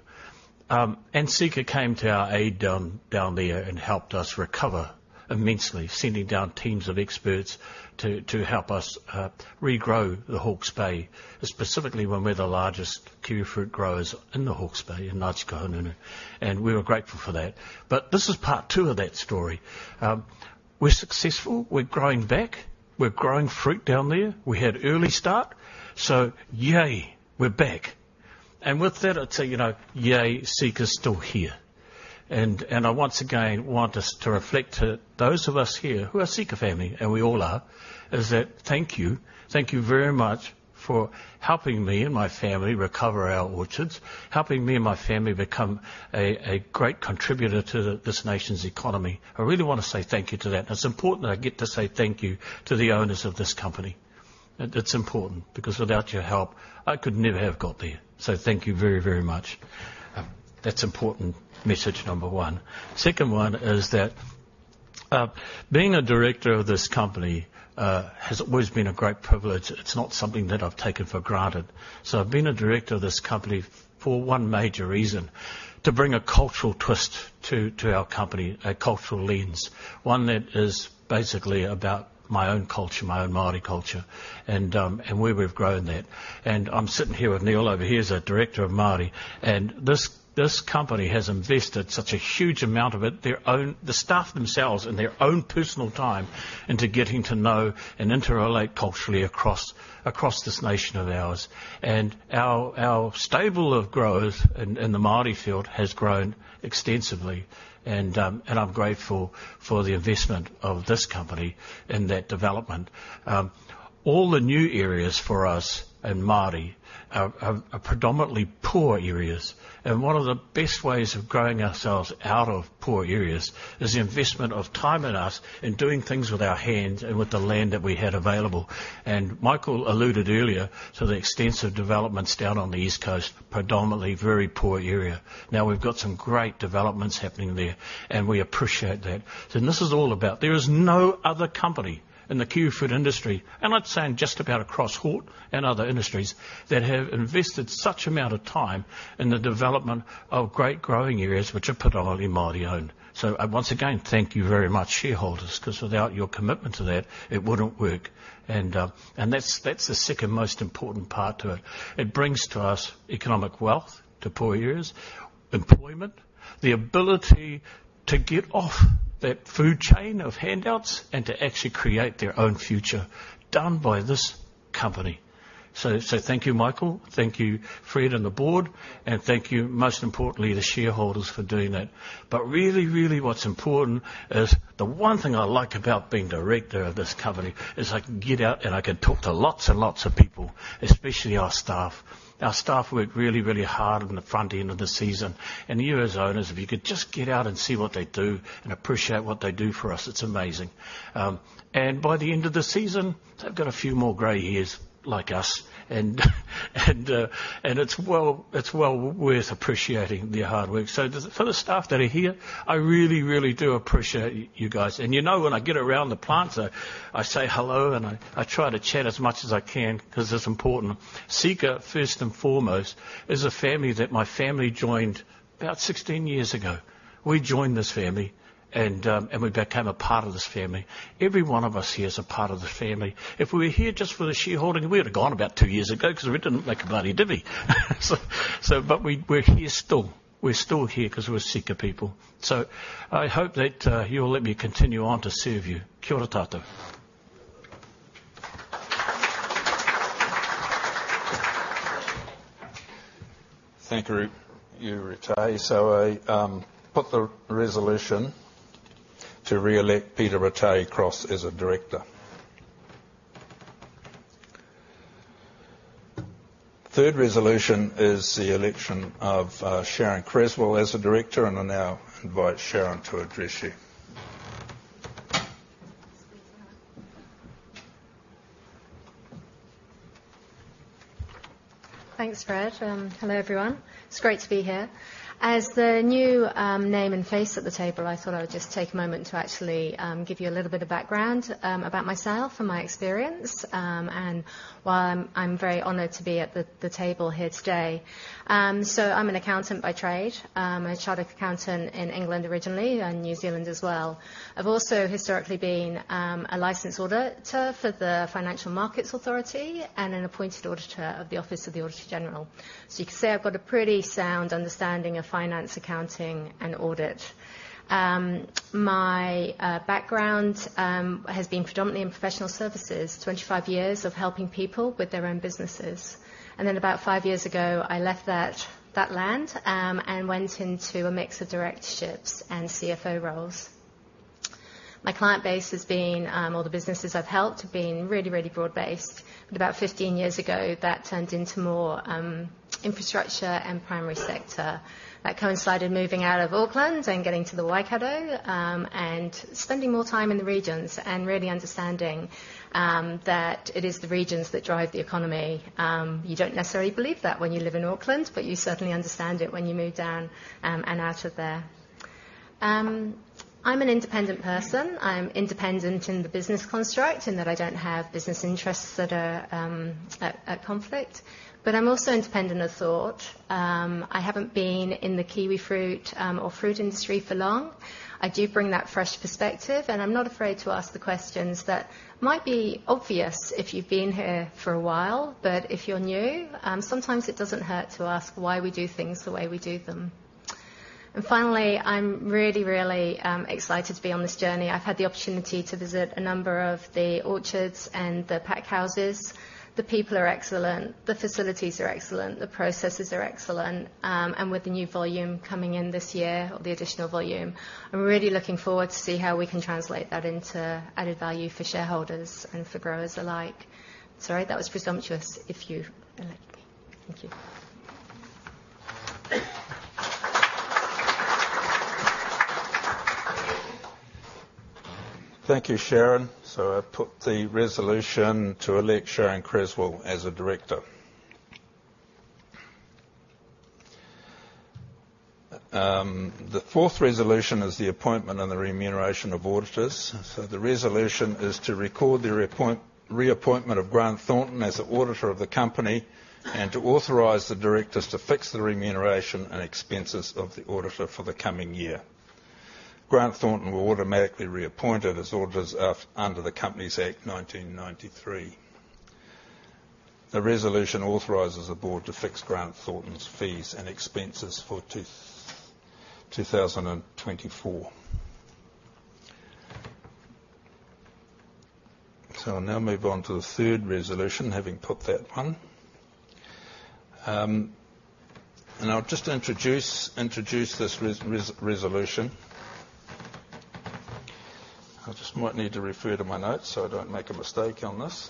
And Seeka came to our aid down, down there and helped us recover immensely, sending down teams of experts to help us regrow the Hawke's Bay, specifically when we're the largest kiwifruit growers in the Hawke's Bay, in Ngaruroro, and we were grateful for that. But this is part two of that story. We're successful. We're growing back. We're growing fruit down there. We had an early start, so yay, we're back. And with that, I'd say, you know, yay, Seeka's still here. And I once again want us to reflect to those of us here who are Seeka family, and we all are, is that thank you. Thank you very much for helping me and my family recover our orchards, helping me and my family become a great contributor to this nation's economy. I really want to say thank you to that, and it's important that I get to say thank you to the owners of this company. It, it's important, because without your help, I could never have got there. So thank you very, very much. That's important, message number one. Second one is that, being a director of this company, has always been a great privilege. It's not something that I've taken for granted. So I've been a director of this company for one major reason: to bring a cultural twist to, to our company, a cultural lens, one that is basically about my own culture, my own Māori culture, and, and where we've grown that. And I'm sitting here with Neil over here as a director of Māori, and this, this company has invested such a huge amount of it, their own. The staff themselves and their own personal time into getting to know and interrelate culturally across this nation of ours. And our stable of growth in the Māori field has grown extensively, and, and I'm grateful for the investment of this company in that development. All the new areas for us in Māori are predominantly poor areas, and one of the best ways of growing ourselves out of poor areas is the investment of time in us, in doing things with our hands and with the land that we had available. And Michael alluded earlier to the extensive developments down on the East Coast, predominantly very poor area. Now, we've got some great developments happening there, and we appreciate that. So this is all about. There is no other company in the kiwifruit industry, and I'd say in just about across hort and other industries, that have invested such amount of time in the development of great growing areas which are predominantly Māori owned. So I once again, thank you very much, shareholders, 'cause without your commitment to that, it wouldn't work. And, and that's, that's the second most important part to it. It brings to us economic wealth to poor areas, employment, the ability to get off that food chain of handouts and to actually create their own future, done by this company. So, so thank you, Michael. Thank you, Fred and the board, and thank you, most importantly, the shareholders, for doing that. But really, really what's important is the one thing I like about being director of this company, is I can get out, and I can talk to lots and lots of people, especially our staff. Our staff work really, really hard on the front end of the season. And you as owners, if you could just get out and see what they do and appreciate what they do for us, it's amazing. And by the end of the season, they've got a few more gray hairs like us, and it's well worth appreciating their hard work. So does, for the staff that are here, I really, really do appreciate you, you guys. And you know, when I get around the plants, I say hello, and I try to chat as much as I can, 'cause it's important. Seeka, first and foremost, is a family that my family joined about 16 years ago. We joined this family, and, and we became a part of this family. Every one of us here is a part of the family. If we were here just for the shareholding, we would have gone about two years ago because we didn't make a bloody divvy. So, so but we- we're here still. We're still here 'cause we're Seeka people. So I hope that, you will let me continue on to serve you. Kia ora tatou. Thank you, Ratahi. I put the resolution to re-elect Peter Ratahi Cross as a director. Third resolution is the election of Sharon Cresswell as a director, and I now invite Sharon to address you. Thanks, Fred. Hello, everyone. It's great to be here. As the new name and face at the table, I thought I would just take a moment to actually give you a little bit of background about myself and my experience, and why I'm very honored to be at the table here today. So I'm an accountant by trade. I'm a chartered accountant in England originally, and New Zealand as well. I've also historically been a licensed auditor for the Financial Markets Authority and an appointed auditor of the Office of the Auditor General. So you can say I've got a pretty sound understanding of finance, accounting, and audit. My background has been predominantly in professional services. 25 years of helping people with their own businesses. Then about five years ago, I left that land and went into a mix of directorships and CFO roles. My client base has been, all the businesses I've helped, have been really, really broad-based. But about 15 years ago, that turned into more infrastructure and primary sector. That coincided moving out of Auckland and getting to the Waikato and spending more time in the regions and really understanding that it is the regions that drive the economy. You don't necessarily believe that when you live in Auckland, but you certainly understand it when you move down and out of there. I'm an independent person. I'm independent in the business construct, in that I don't have business interests that are at conflict, but I'm also independent of thought. I haven't been in the kiwifruit, or fruit industry for long. I do bring that fresh perspective, and I'm not afraid to ask the questions that might be obvious if you've been here for a while. But if you're new, sometimes it doesn't hurt to ask why we do things the way we do them. And finally, I'm really, really, excited to be on this journey. I've had the opportunity to visit a number of the orchards and the packhouses. The people are excellent, the facilities are excellent, the processes are excellent. And with the new volume coming in this year, or the additional volume, I'm really looking forward to see how we can translate that into added value for shareholders and for growers alike. Sorry, that was presumptuous, if you elect me. Thank you. Thank you, Sharon. So I put the resolution to elect Sharon Cresswell as a director. The fourth resolution is the appointment and the remuneration of auditors. So the resolution is to record the reappointment of Grant Thornton as the auditor of the company, and to authorize the directors to fix the remuneration and expenses of the auditor for the coming year. Grant Thornton were automatically reappointed as auditors of, under the Companies Act 1993. The resolution authorizes the board to fix Grant Thornton's fees and expenses for 2024. So I'll now move on to the third resolution, having put that one. And I'll just introduce this resolution. I just might need to refer to my notes so I don't make a mistake on this.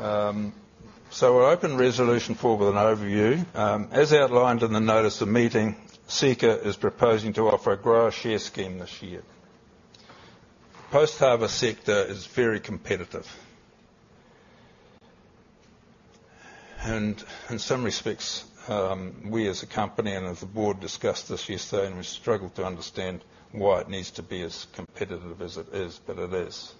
So I open resolution four with an overview. As outlined in the notice of meeting, Seeka is proposing to offer a grower share scheme this year. The post-harvest sector is very competitive. And in some respects, we, as a company and as a board, discussed this yesterday, and we struggled to understand why it needs to be as competitive as it is, but it is.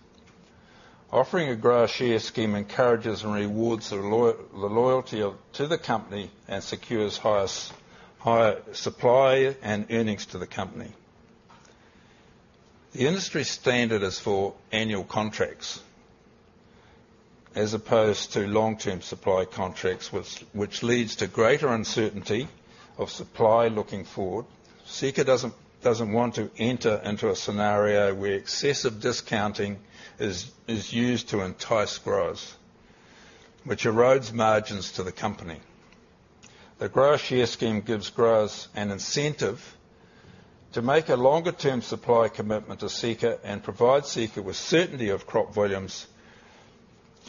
Offering a grower share scheme encourages and rewards the loyalty to the company and secures higher supply and earnings to the company. The industry standard is for annual contracts as opposed to long-term supply contracts, which leads to greater uncertainty of supply looking forward. Seeka doesn't want to enter into a scenario where excessive discounting is used to entice growers, which erodes margins to the company. The grower share scheme gives growers an incentive to make a longer-term supply commitment to Seeka and provide Seeka with certainty of crop volumes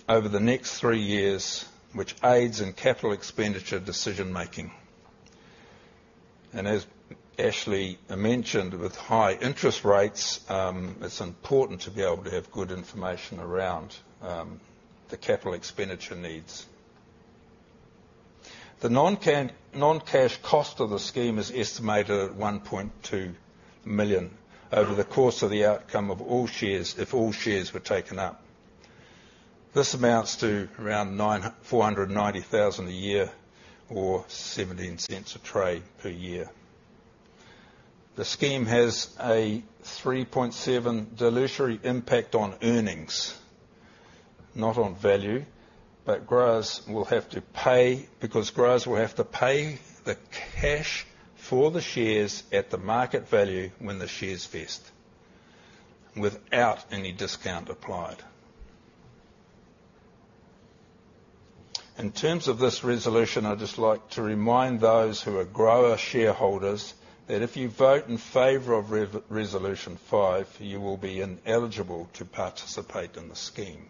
over the next three years, which aids in capital expenditure decision-making. As Ashley mentioned, with high interest rates, it's important to be able to have good information around the capital expenditure needs. The non-cash cost of the scheme is estimated at 1.2 million over the course of the outcome of all shares, if all shares were taken up. This amounts to around four hundred and ninety thousand a year or 0.17 a tray per year. The scheme has a 3.7 dilutive impact on earnings, not on value, but growers will have to pay because growers will have to pay the cash for the shares at the market value when the shares vest, without any discount applied. In terms of this resolution, I'd just like to remind those who are grower shareholders that if you vote in favor of resolution five, you will be ineligible to participate in the scheme.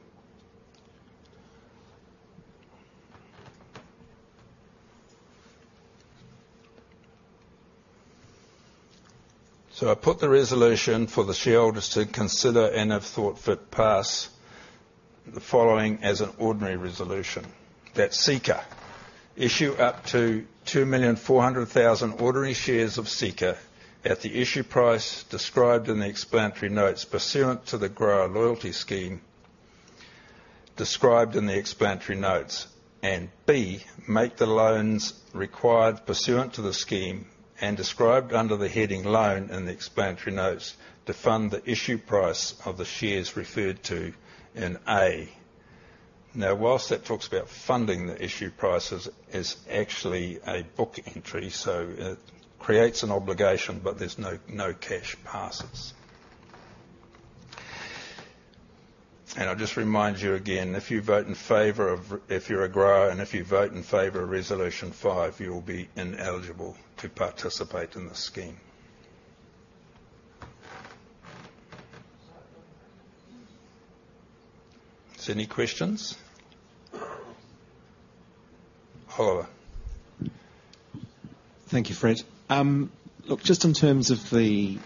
So I put the resolution for the shareholders to consider and, if thought fit, pass the following as an ordinary resolution: That Seeka issue up to 2,400,000 ordinary shares of Seeka at the issue price described in the explanatory notes pursuant to the Grower Loyalty Scheme described in the explanatory notes. And B, make the loans required pursuant to the scheme and described under the heading "Loan" in the explanatory notes, to fund the issue price of the shares referred to in A. Now, while that talks about funding, the issue price is actually a book entry, so it creates an obligation, but there's no cash passes. I'll just remind you again, if you're a grower, and if you vote in favor of Resolution 5, you will be ineligible to participate in the scheme. Is there any questions? Hold on. Thank you, Fred. Look, just in terms of the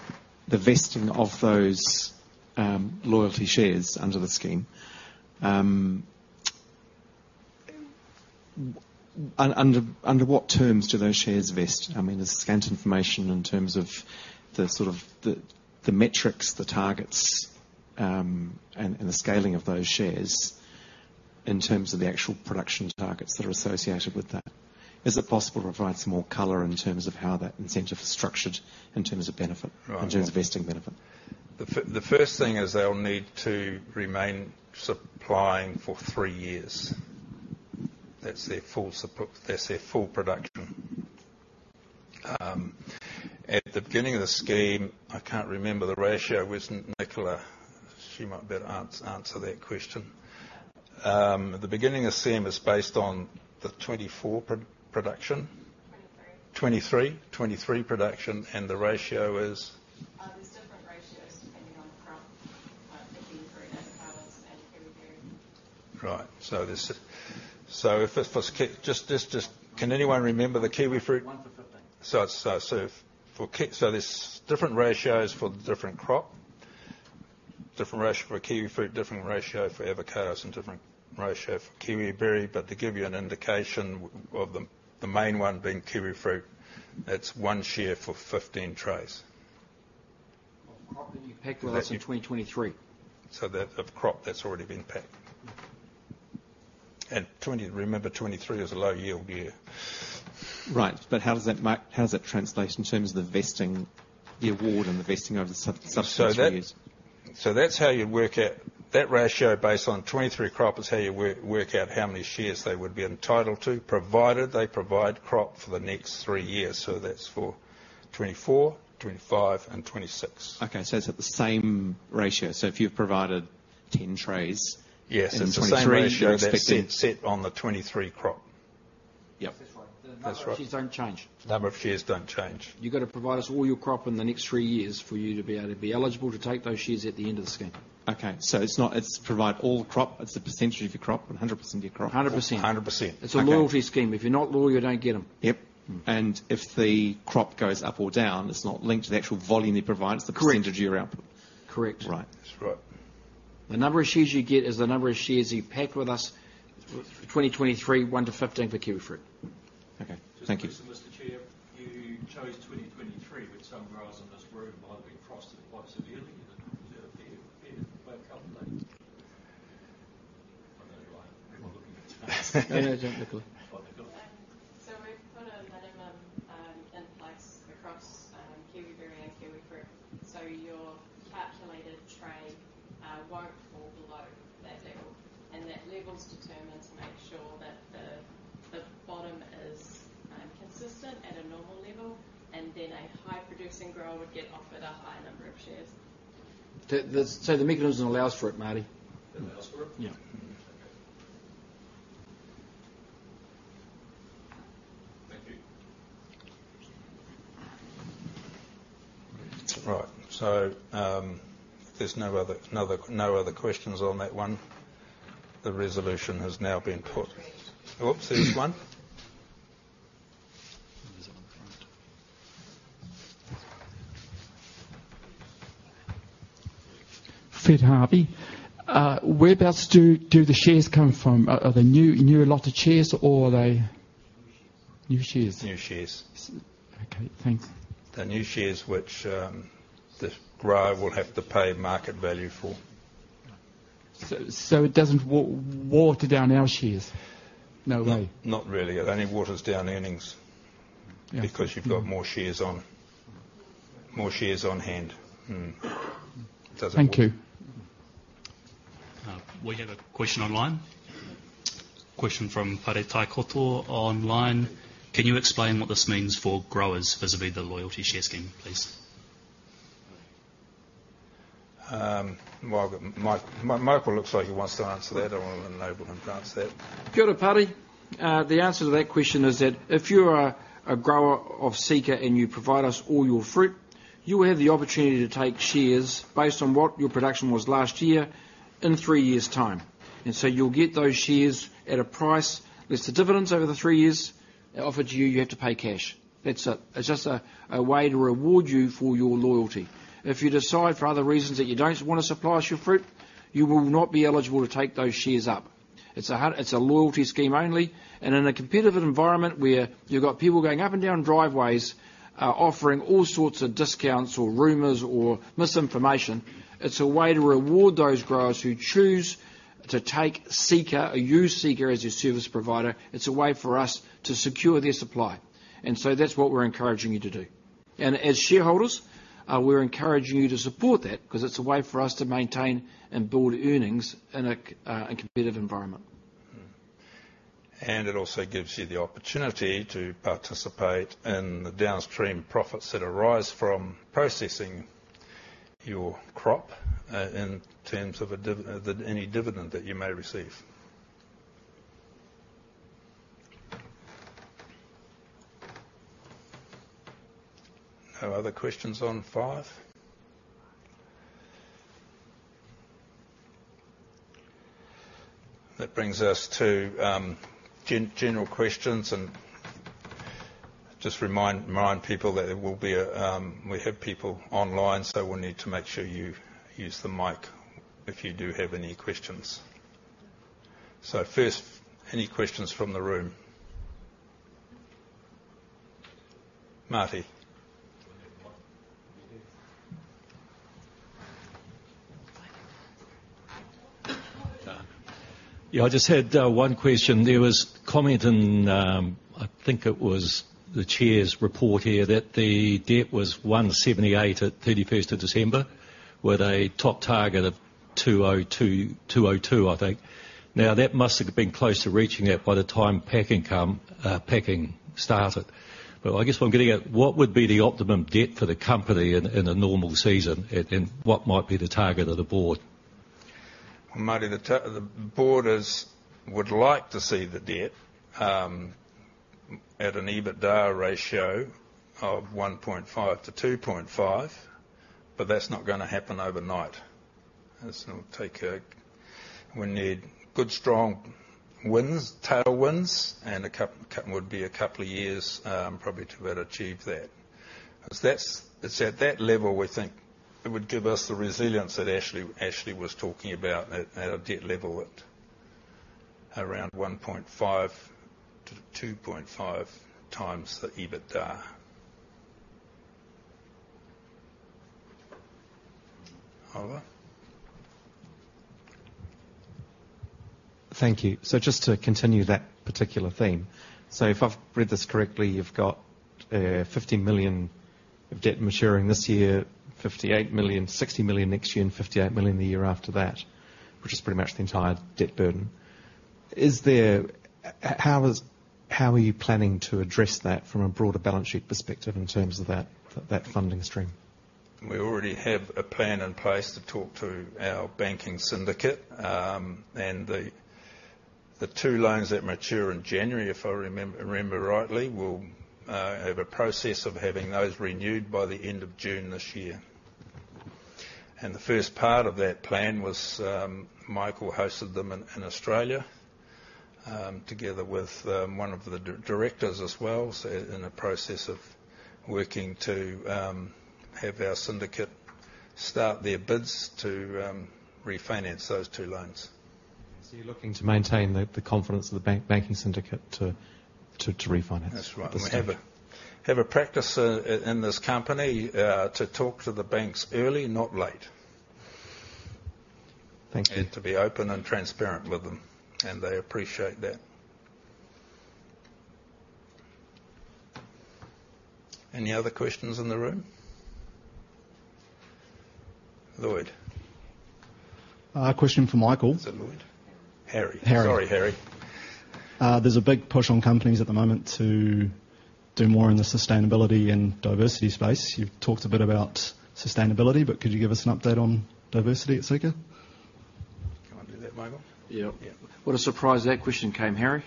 vesting of those loyalty shares under the scheme, under what terms do those shares vest? I mean, there's scant information in terms of the sort of the metrics, the targets, and the scaling of those shares in terms of the actual production targets that are associated with that. Is it possible to provide some more color in terms of how that incentive is structured in terms of benefit- Right. In terms of vesting benefit? The first thing is they'll need to remain supplying for three years. That's their full support - that's their full production. At the beginning of the scheme, I can't remember the ratio. Where's Nicola? She might better answer that question. At the beginning of the scheme, it's based on the 24 production. Twenty-three. 23? 23 production, and the ratio is? There's different ratios depending on the crop, like kiwifruit, avocados, and kiwiberry. Right. So there's. So let's keep just, can anyone remember the kiwifruit? 1 for 15. So there's different ratios for the different crop. Different ratio for kiwifruit, different ratio for avocados, and different ratio for kiwiberry. But to give you an indication of the main one being kiwifruit, it's one share for 15 trays. Of crop that you've picked with us in 2023. So that of crop that's already been picked. And 20. Remember, 2023 is a low yield year. Right, but how does that translate in terms of the vesting, the award and the vesting over the subsequent years? So that's how you work out that ratio, based on 2023 crop, is how you work out how many shares they would be entitled to, provided they provide crop for the next three years. So that's for 2024, 2025, and 2026. Okay, so it's at the same ratio. So if you've provided 10 trays- Yes. In twenty-three- It's the same ratio that's set on the 2023 crop. Yep. That's right. That's right. The number of shares don't change. The number of shares don't change. You've got to provide us all your crop in the next three years for you to be able to be eligible to take those shares at the end of the scheme. Okay, so it's not, it's provide all the crop. It's a percentage of your crop, 100% of your crop. Hundred percent. Hundred percent. Okay. It's a loyalty scheme. If you're not loyal, you don't get them. Yep. If the crop goes up or down, it's not linked to the actual volume they provide- Correct. It's the percentage of your output. Correct. Right. That's right. The number of shares you get is the number of shares you pack with us for 2023, 1-15 for kiwifruit. Okay, thank you. Just listen, Mr. Chair. You chose 2023, which some growers in this room might have been frosted quite severely in the first couple of days. I don't know why people are looking at me. No, no, jump, Nicola. Oh, Nicola. So we've put a minimum in place across kiwiberry and kiwifruit. So your calculated tray won't fall below that level, and that level is determined to make sure that the bottom is consistent at a normal level, and then a high-producing grower would get offered a high number of shares. So the mechanism allows for it, Marty. It allows for it? Yeah. Okay. Thank you. Right. So, if there's no other questions on that one, the resolution has now been put. Great. Oops, there's one? There's one in the front. Fred Harvey. Whereabouts do the shares come from? Are they new allotted shares, or are they- New shares. New shares. New shares. Okay, thanks. They're new shares which, the grower will have to pay market value for. So, it doesn't water down our shares, no way? Not, not really. It only waters down earnings- Yeah. - because you've got more shares on, more shares on hand. Doesn't water. Thank you. We have a question online. A question from Pare Taikato online: Can you explain what this means for growers vis-a-vis the loyalty share scheme, please? Well, Mike, Michael looks like he wants to answer that. I want to enable him to answer that. Kia ora, Pare. The answer to that question is that if you are a grower of Seeka, and you provide us all your fruit, you will have the opportunity to take shares based on what your production was last year, in three years' time. And so you'll get those shares at a price, less the dividends over the three years, offered to you, you have to pay cash. That's it. It's just a way to reward you for your loyalty. If you decide for other reasons that you don't want to supply us your fruit, you will not be eligible to take those shares up. It's a loyalty scheme only, and in a competitive environment where you've got people going up and down driveways, offering all sorts of discounts or rumors or misinformation, it's a way to reward those growers who choose to take Seeka or use Seeka as their service provider. It's a way for us to secure their supply, and so that's what we're encouraging you to do. And as shareholders, we're encouraging you to support that, because it's a way for us to maintain and build earnings in a competitive environment. Mm-hmm. And it also gives you the opportunity to participate in the downstream profits that arise from processing your crop in terms of the dividend that you may receive. No other questions on five? That brings us to general questions, and just remind people that there will be a, We have people online, so we'll need to make sure you use the mic if you do have any questions. So first, any questions from the room? Marty. Yeah, I just had one question. There was comment in, I think it was the chair's report here, that the debt was 178 million at thirty-first of December, with a top target of 202, 202, I think. Now, that must have been close to reaching that by the time packing came, packing started. But I guess what I'm getting at, what would be the optimum debt for the company in a normal season, and what might be the target of the board? Marty, the board would like to see the debt at an EBITDA ratio of 1.5-2.5, but that's not gonna happen overnight. This will take a, we need good, strong winds, tailwinds, and a couple of years, probably to be able to achieve that. Because that's, it's at that level, we think it would give us the resilience that Ashley was talking about, at a debt level at around 1.5-2.5 times the EBITDA. Oliver? Thank you. So just to continue that particular theme. So if I've read this correctly, you've got 50 million of debt maturing this year, 58 million, 60 million next year, and 58 million the year after that, which is pretty much the entire debt burden. Is there, how are you planning to address that from a broader balance sheet perspective in terms of that funding stream? We already have a plan in place to talk to our banking syndicate. The two loans that mature in January, if I remember rightly, we'll have a process of having those renewed by the end of June this year. The first part of that plan was Michael hosted them in Australia together with one of the directors as well. So in the process of working to have our syndicate start their bids to refinance those two loans. So you're looking to maintain the confidence of the banking syndicate to refinance? That's right. This year. We have a practice in this company to talk to the banks early, not late. Thank you. And to be open and transparent with them, and they appreciate that. Any other questions in the room? Lloyd. Question for Michael. Is it Lloyd? Harry. Harry. Sorry, Harry. There's a big push on companies at the moment to do more in the sustainability and diversity space. You've talked a bit about sustainability, but could you give us an update on diversity at Seeka? Can I do that, Michael? Yeah. Yeah. What a surprise that question came, Harry.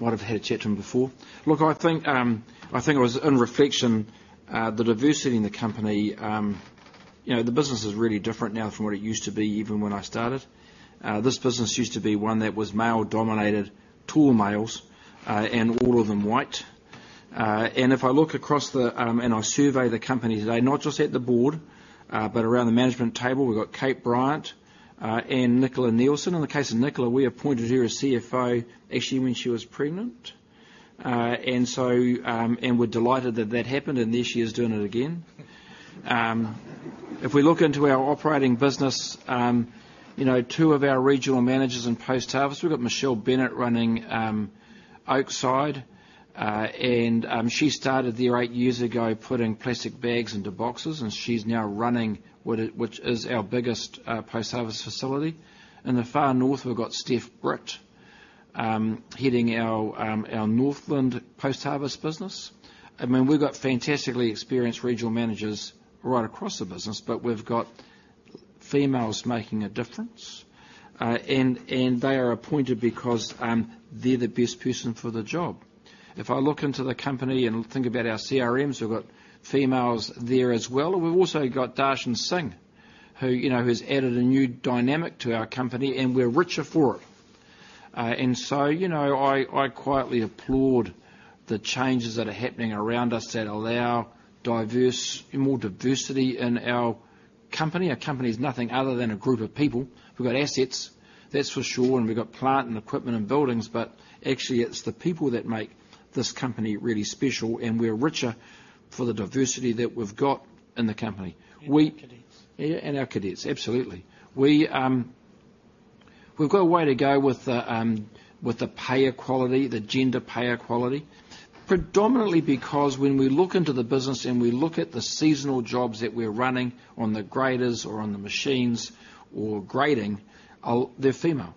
Might have had a chat to him before. Look, I think, I think it was in reflection, the diversity in the company, you know, the business is really different now from what it used to be, even when I started. This business used to be one that was male-dominated, tall males, and all of them white. And if I look across the, I survey the company today, not just at the board, but around the management table, we've got Kate Bryant, and Nicola Neilson. In the case of Nicola, we appointed her a CFO actually when she was pregnant. And so, and we're delighted that that happened, and there she is doing it again. If we look into our operating business, you know, two of our regional managers in post-harvest, we've got Michelle Bennett running Oakside. And she started there eight years ago, putting plastic bags into boxes, and she's now running which is our biggest post-harvest facility. In the far north, we've got Steph Britt heading our Northland post-harvest business. I mean, we've got fantastically experienced regional managers right across the business, but we've got females making a difference. And they are appointed because they're the best person for the job. If I look into the company and think about our CRMs, we've got females there as well. We've also got Darshan Singh, who, you know, has added a new dynamic to our company, and we're richer for it. And so, you know, I quietly applaud the changes that are happening around us that allow diverse, more diversity in our company. Our company is nothing other than a group of people. We've got assets, that's for sure, and we've got plant and equipment and buildings, but actually it's the people that make this company really special, and we're richer for the diversity that we've got in the company. We- And our cadets. Yeah, and our cadets, absolutely. We've got a way to go with the pay equity, the gender pay equity. Predominantly, because when we look into the business and we look at the seasonal jobs that we're running on the graders or on the machines or grading, they're female.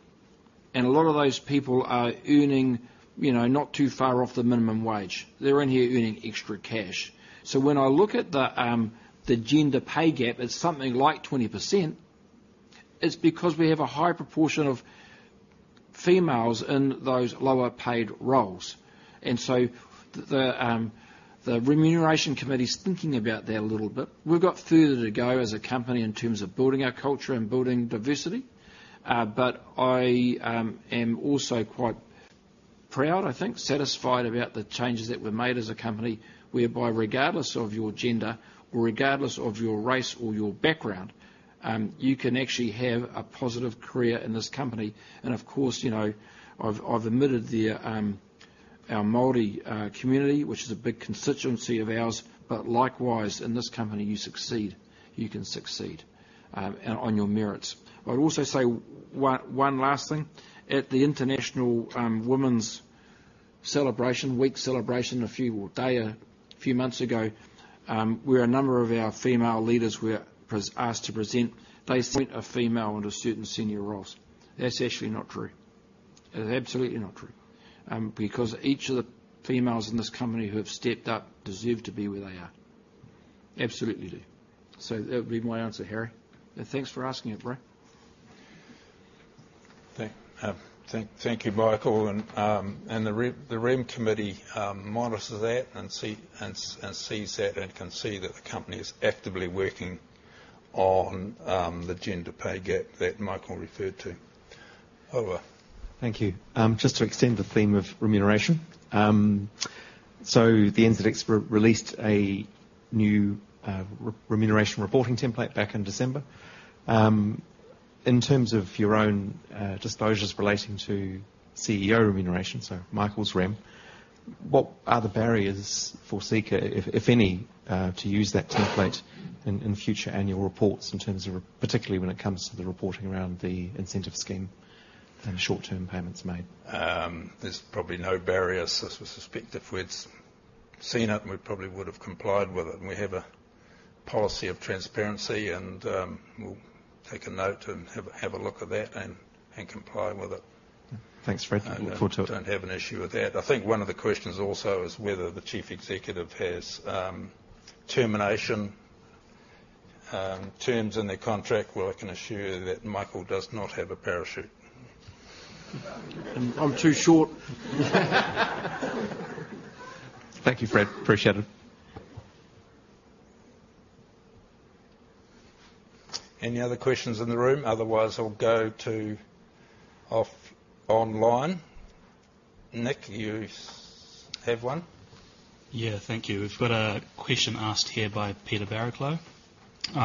A lot of those people are earning, you know, not too far off the minimum wage. They're in here earning extra cash. So when I look at the gender pay gap, it's something like 20%, it's because we have a high proportion of females in those lower paid roles. So the remuneration committee is thinking about that a little bit. We've got further to go as a company in terms of building our culture and building diversity. But I am also quite proud, I think, satisfied about the changes that were made as a company, whereby regardless of your gender or regardless of your race or your background, you can actually have a positive career in this company. And of course, you know, I've admitted there, our Māori community, which is a big constituency of ours, but likewise, in this company, you succeed. You can succeed on your merits. I'd also say one last thing. At the International Women's Celebration Week Celebration, a few months ago, where a number of our female leaders were asked to present, they sent a female into certain senior roles. That's actually not true. It is absolutely not true, because each of the females in this company who have stepped up deserve to be where they are. Absolutely do. So that would be my answer, Harry. Thanks for asking it, bro. Thank you, Michael. And the Rem committee monitors that and sees that and can see that the company is actively working on the gender pay gap that Michael referred to. Over. Thank you. Just to extend the theme of remuneration. So the NZX released a new remuneration reporting template back in December. In terms of your own disclosures relating to CEO remuneration, so Michael's REM, what are the barriers for Seeka, if any, to use that template in future annual reports in terms of Particularly when it comes to the reporting around the incentive scheme and short-term payments made? There's probably no barriers. As we suspect, if we'd seen it, we probably would have complied with it. We have a policy of transparency, and we'll take a note and have a look at that and comply with it. Thanks, Fred. Look forward to it. Don't have an issue with that. I think one of the questions also is whether the Chief Executive has termination terms in their contract. Well, I can assure you that Michael does not have a parachute. I'm too short. Thank you, Fred. Appreciate it. Any other questions in the room? Otherwise, I'll go to online. Nick, you have one? Yeah, thank you. We've got a question asked here by Peter Barraclough.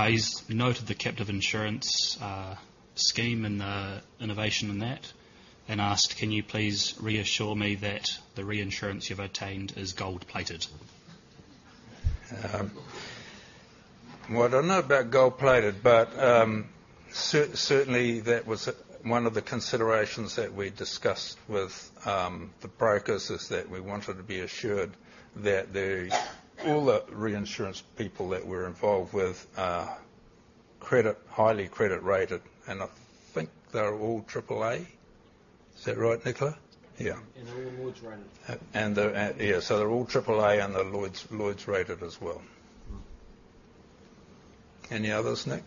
He's noted the captive insurance scheme and the innovation in that, and asked: "Can you please reassure me that the reinsurance you've obtained is gold-plated? Well, I don't know about gold-plated, but certainly, that was one of the considerations that we discussed with the brokers, is that we wanted to be assured that all the reinsurance people that we're involved with are highly credit rated, and I think they're all triple A. Is that right, Nicola? Yeah. And they're all Lloyd's rated. And yeah, so they're all triple A, and they're Lloyd's rated as well. Any others, Nick?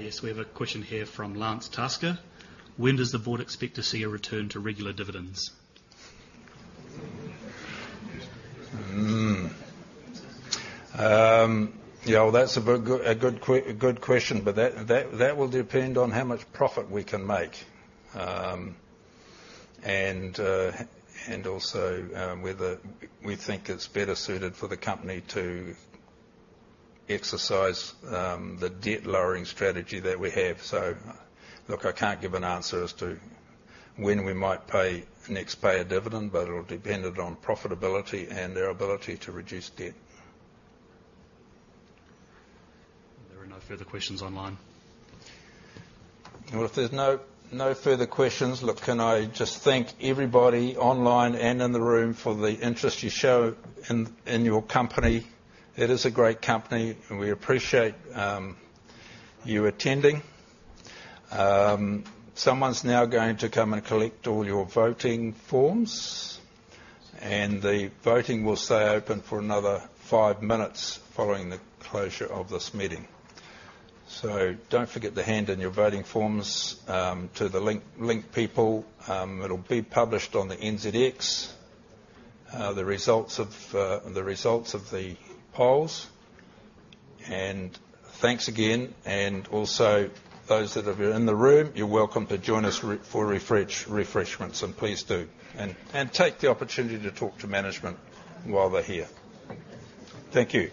Yes, we have a question here from Lance Tasker: "When does the board expect to see a return to regular dividends? That's a good question, but that will depend on how much profit we can make. And also, whether we think it's better suited for the company to exercise the debt-lowering strategy that we have. So look, I can't give an answer as to when we might pay, next pay a dividend, but it'll dependent on profitability and our ability to reduce debt. There are no further questions online. Well, if there's no further questions, look, can I just thank everybody online and in the room for the interest you show in your company. It is a great company, and we appreciate you attending. Someone's now going to come and collect all your voting forms, and the voting will stay open for another 5 minutes following the closure of this meeting. So don't forget to hand in your voting forms to the Link people. It'll be published on the NZX, the results of the polls. And thanks again, and also those that have been in the room, you're welcome to join us for refreshments, and please do. And take the opportunity to talk to management while they're here. Thank you.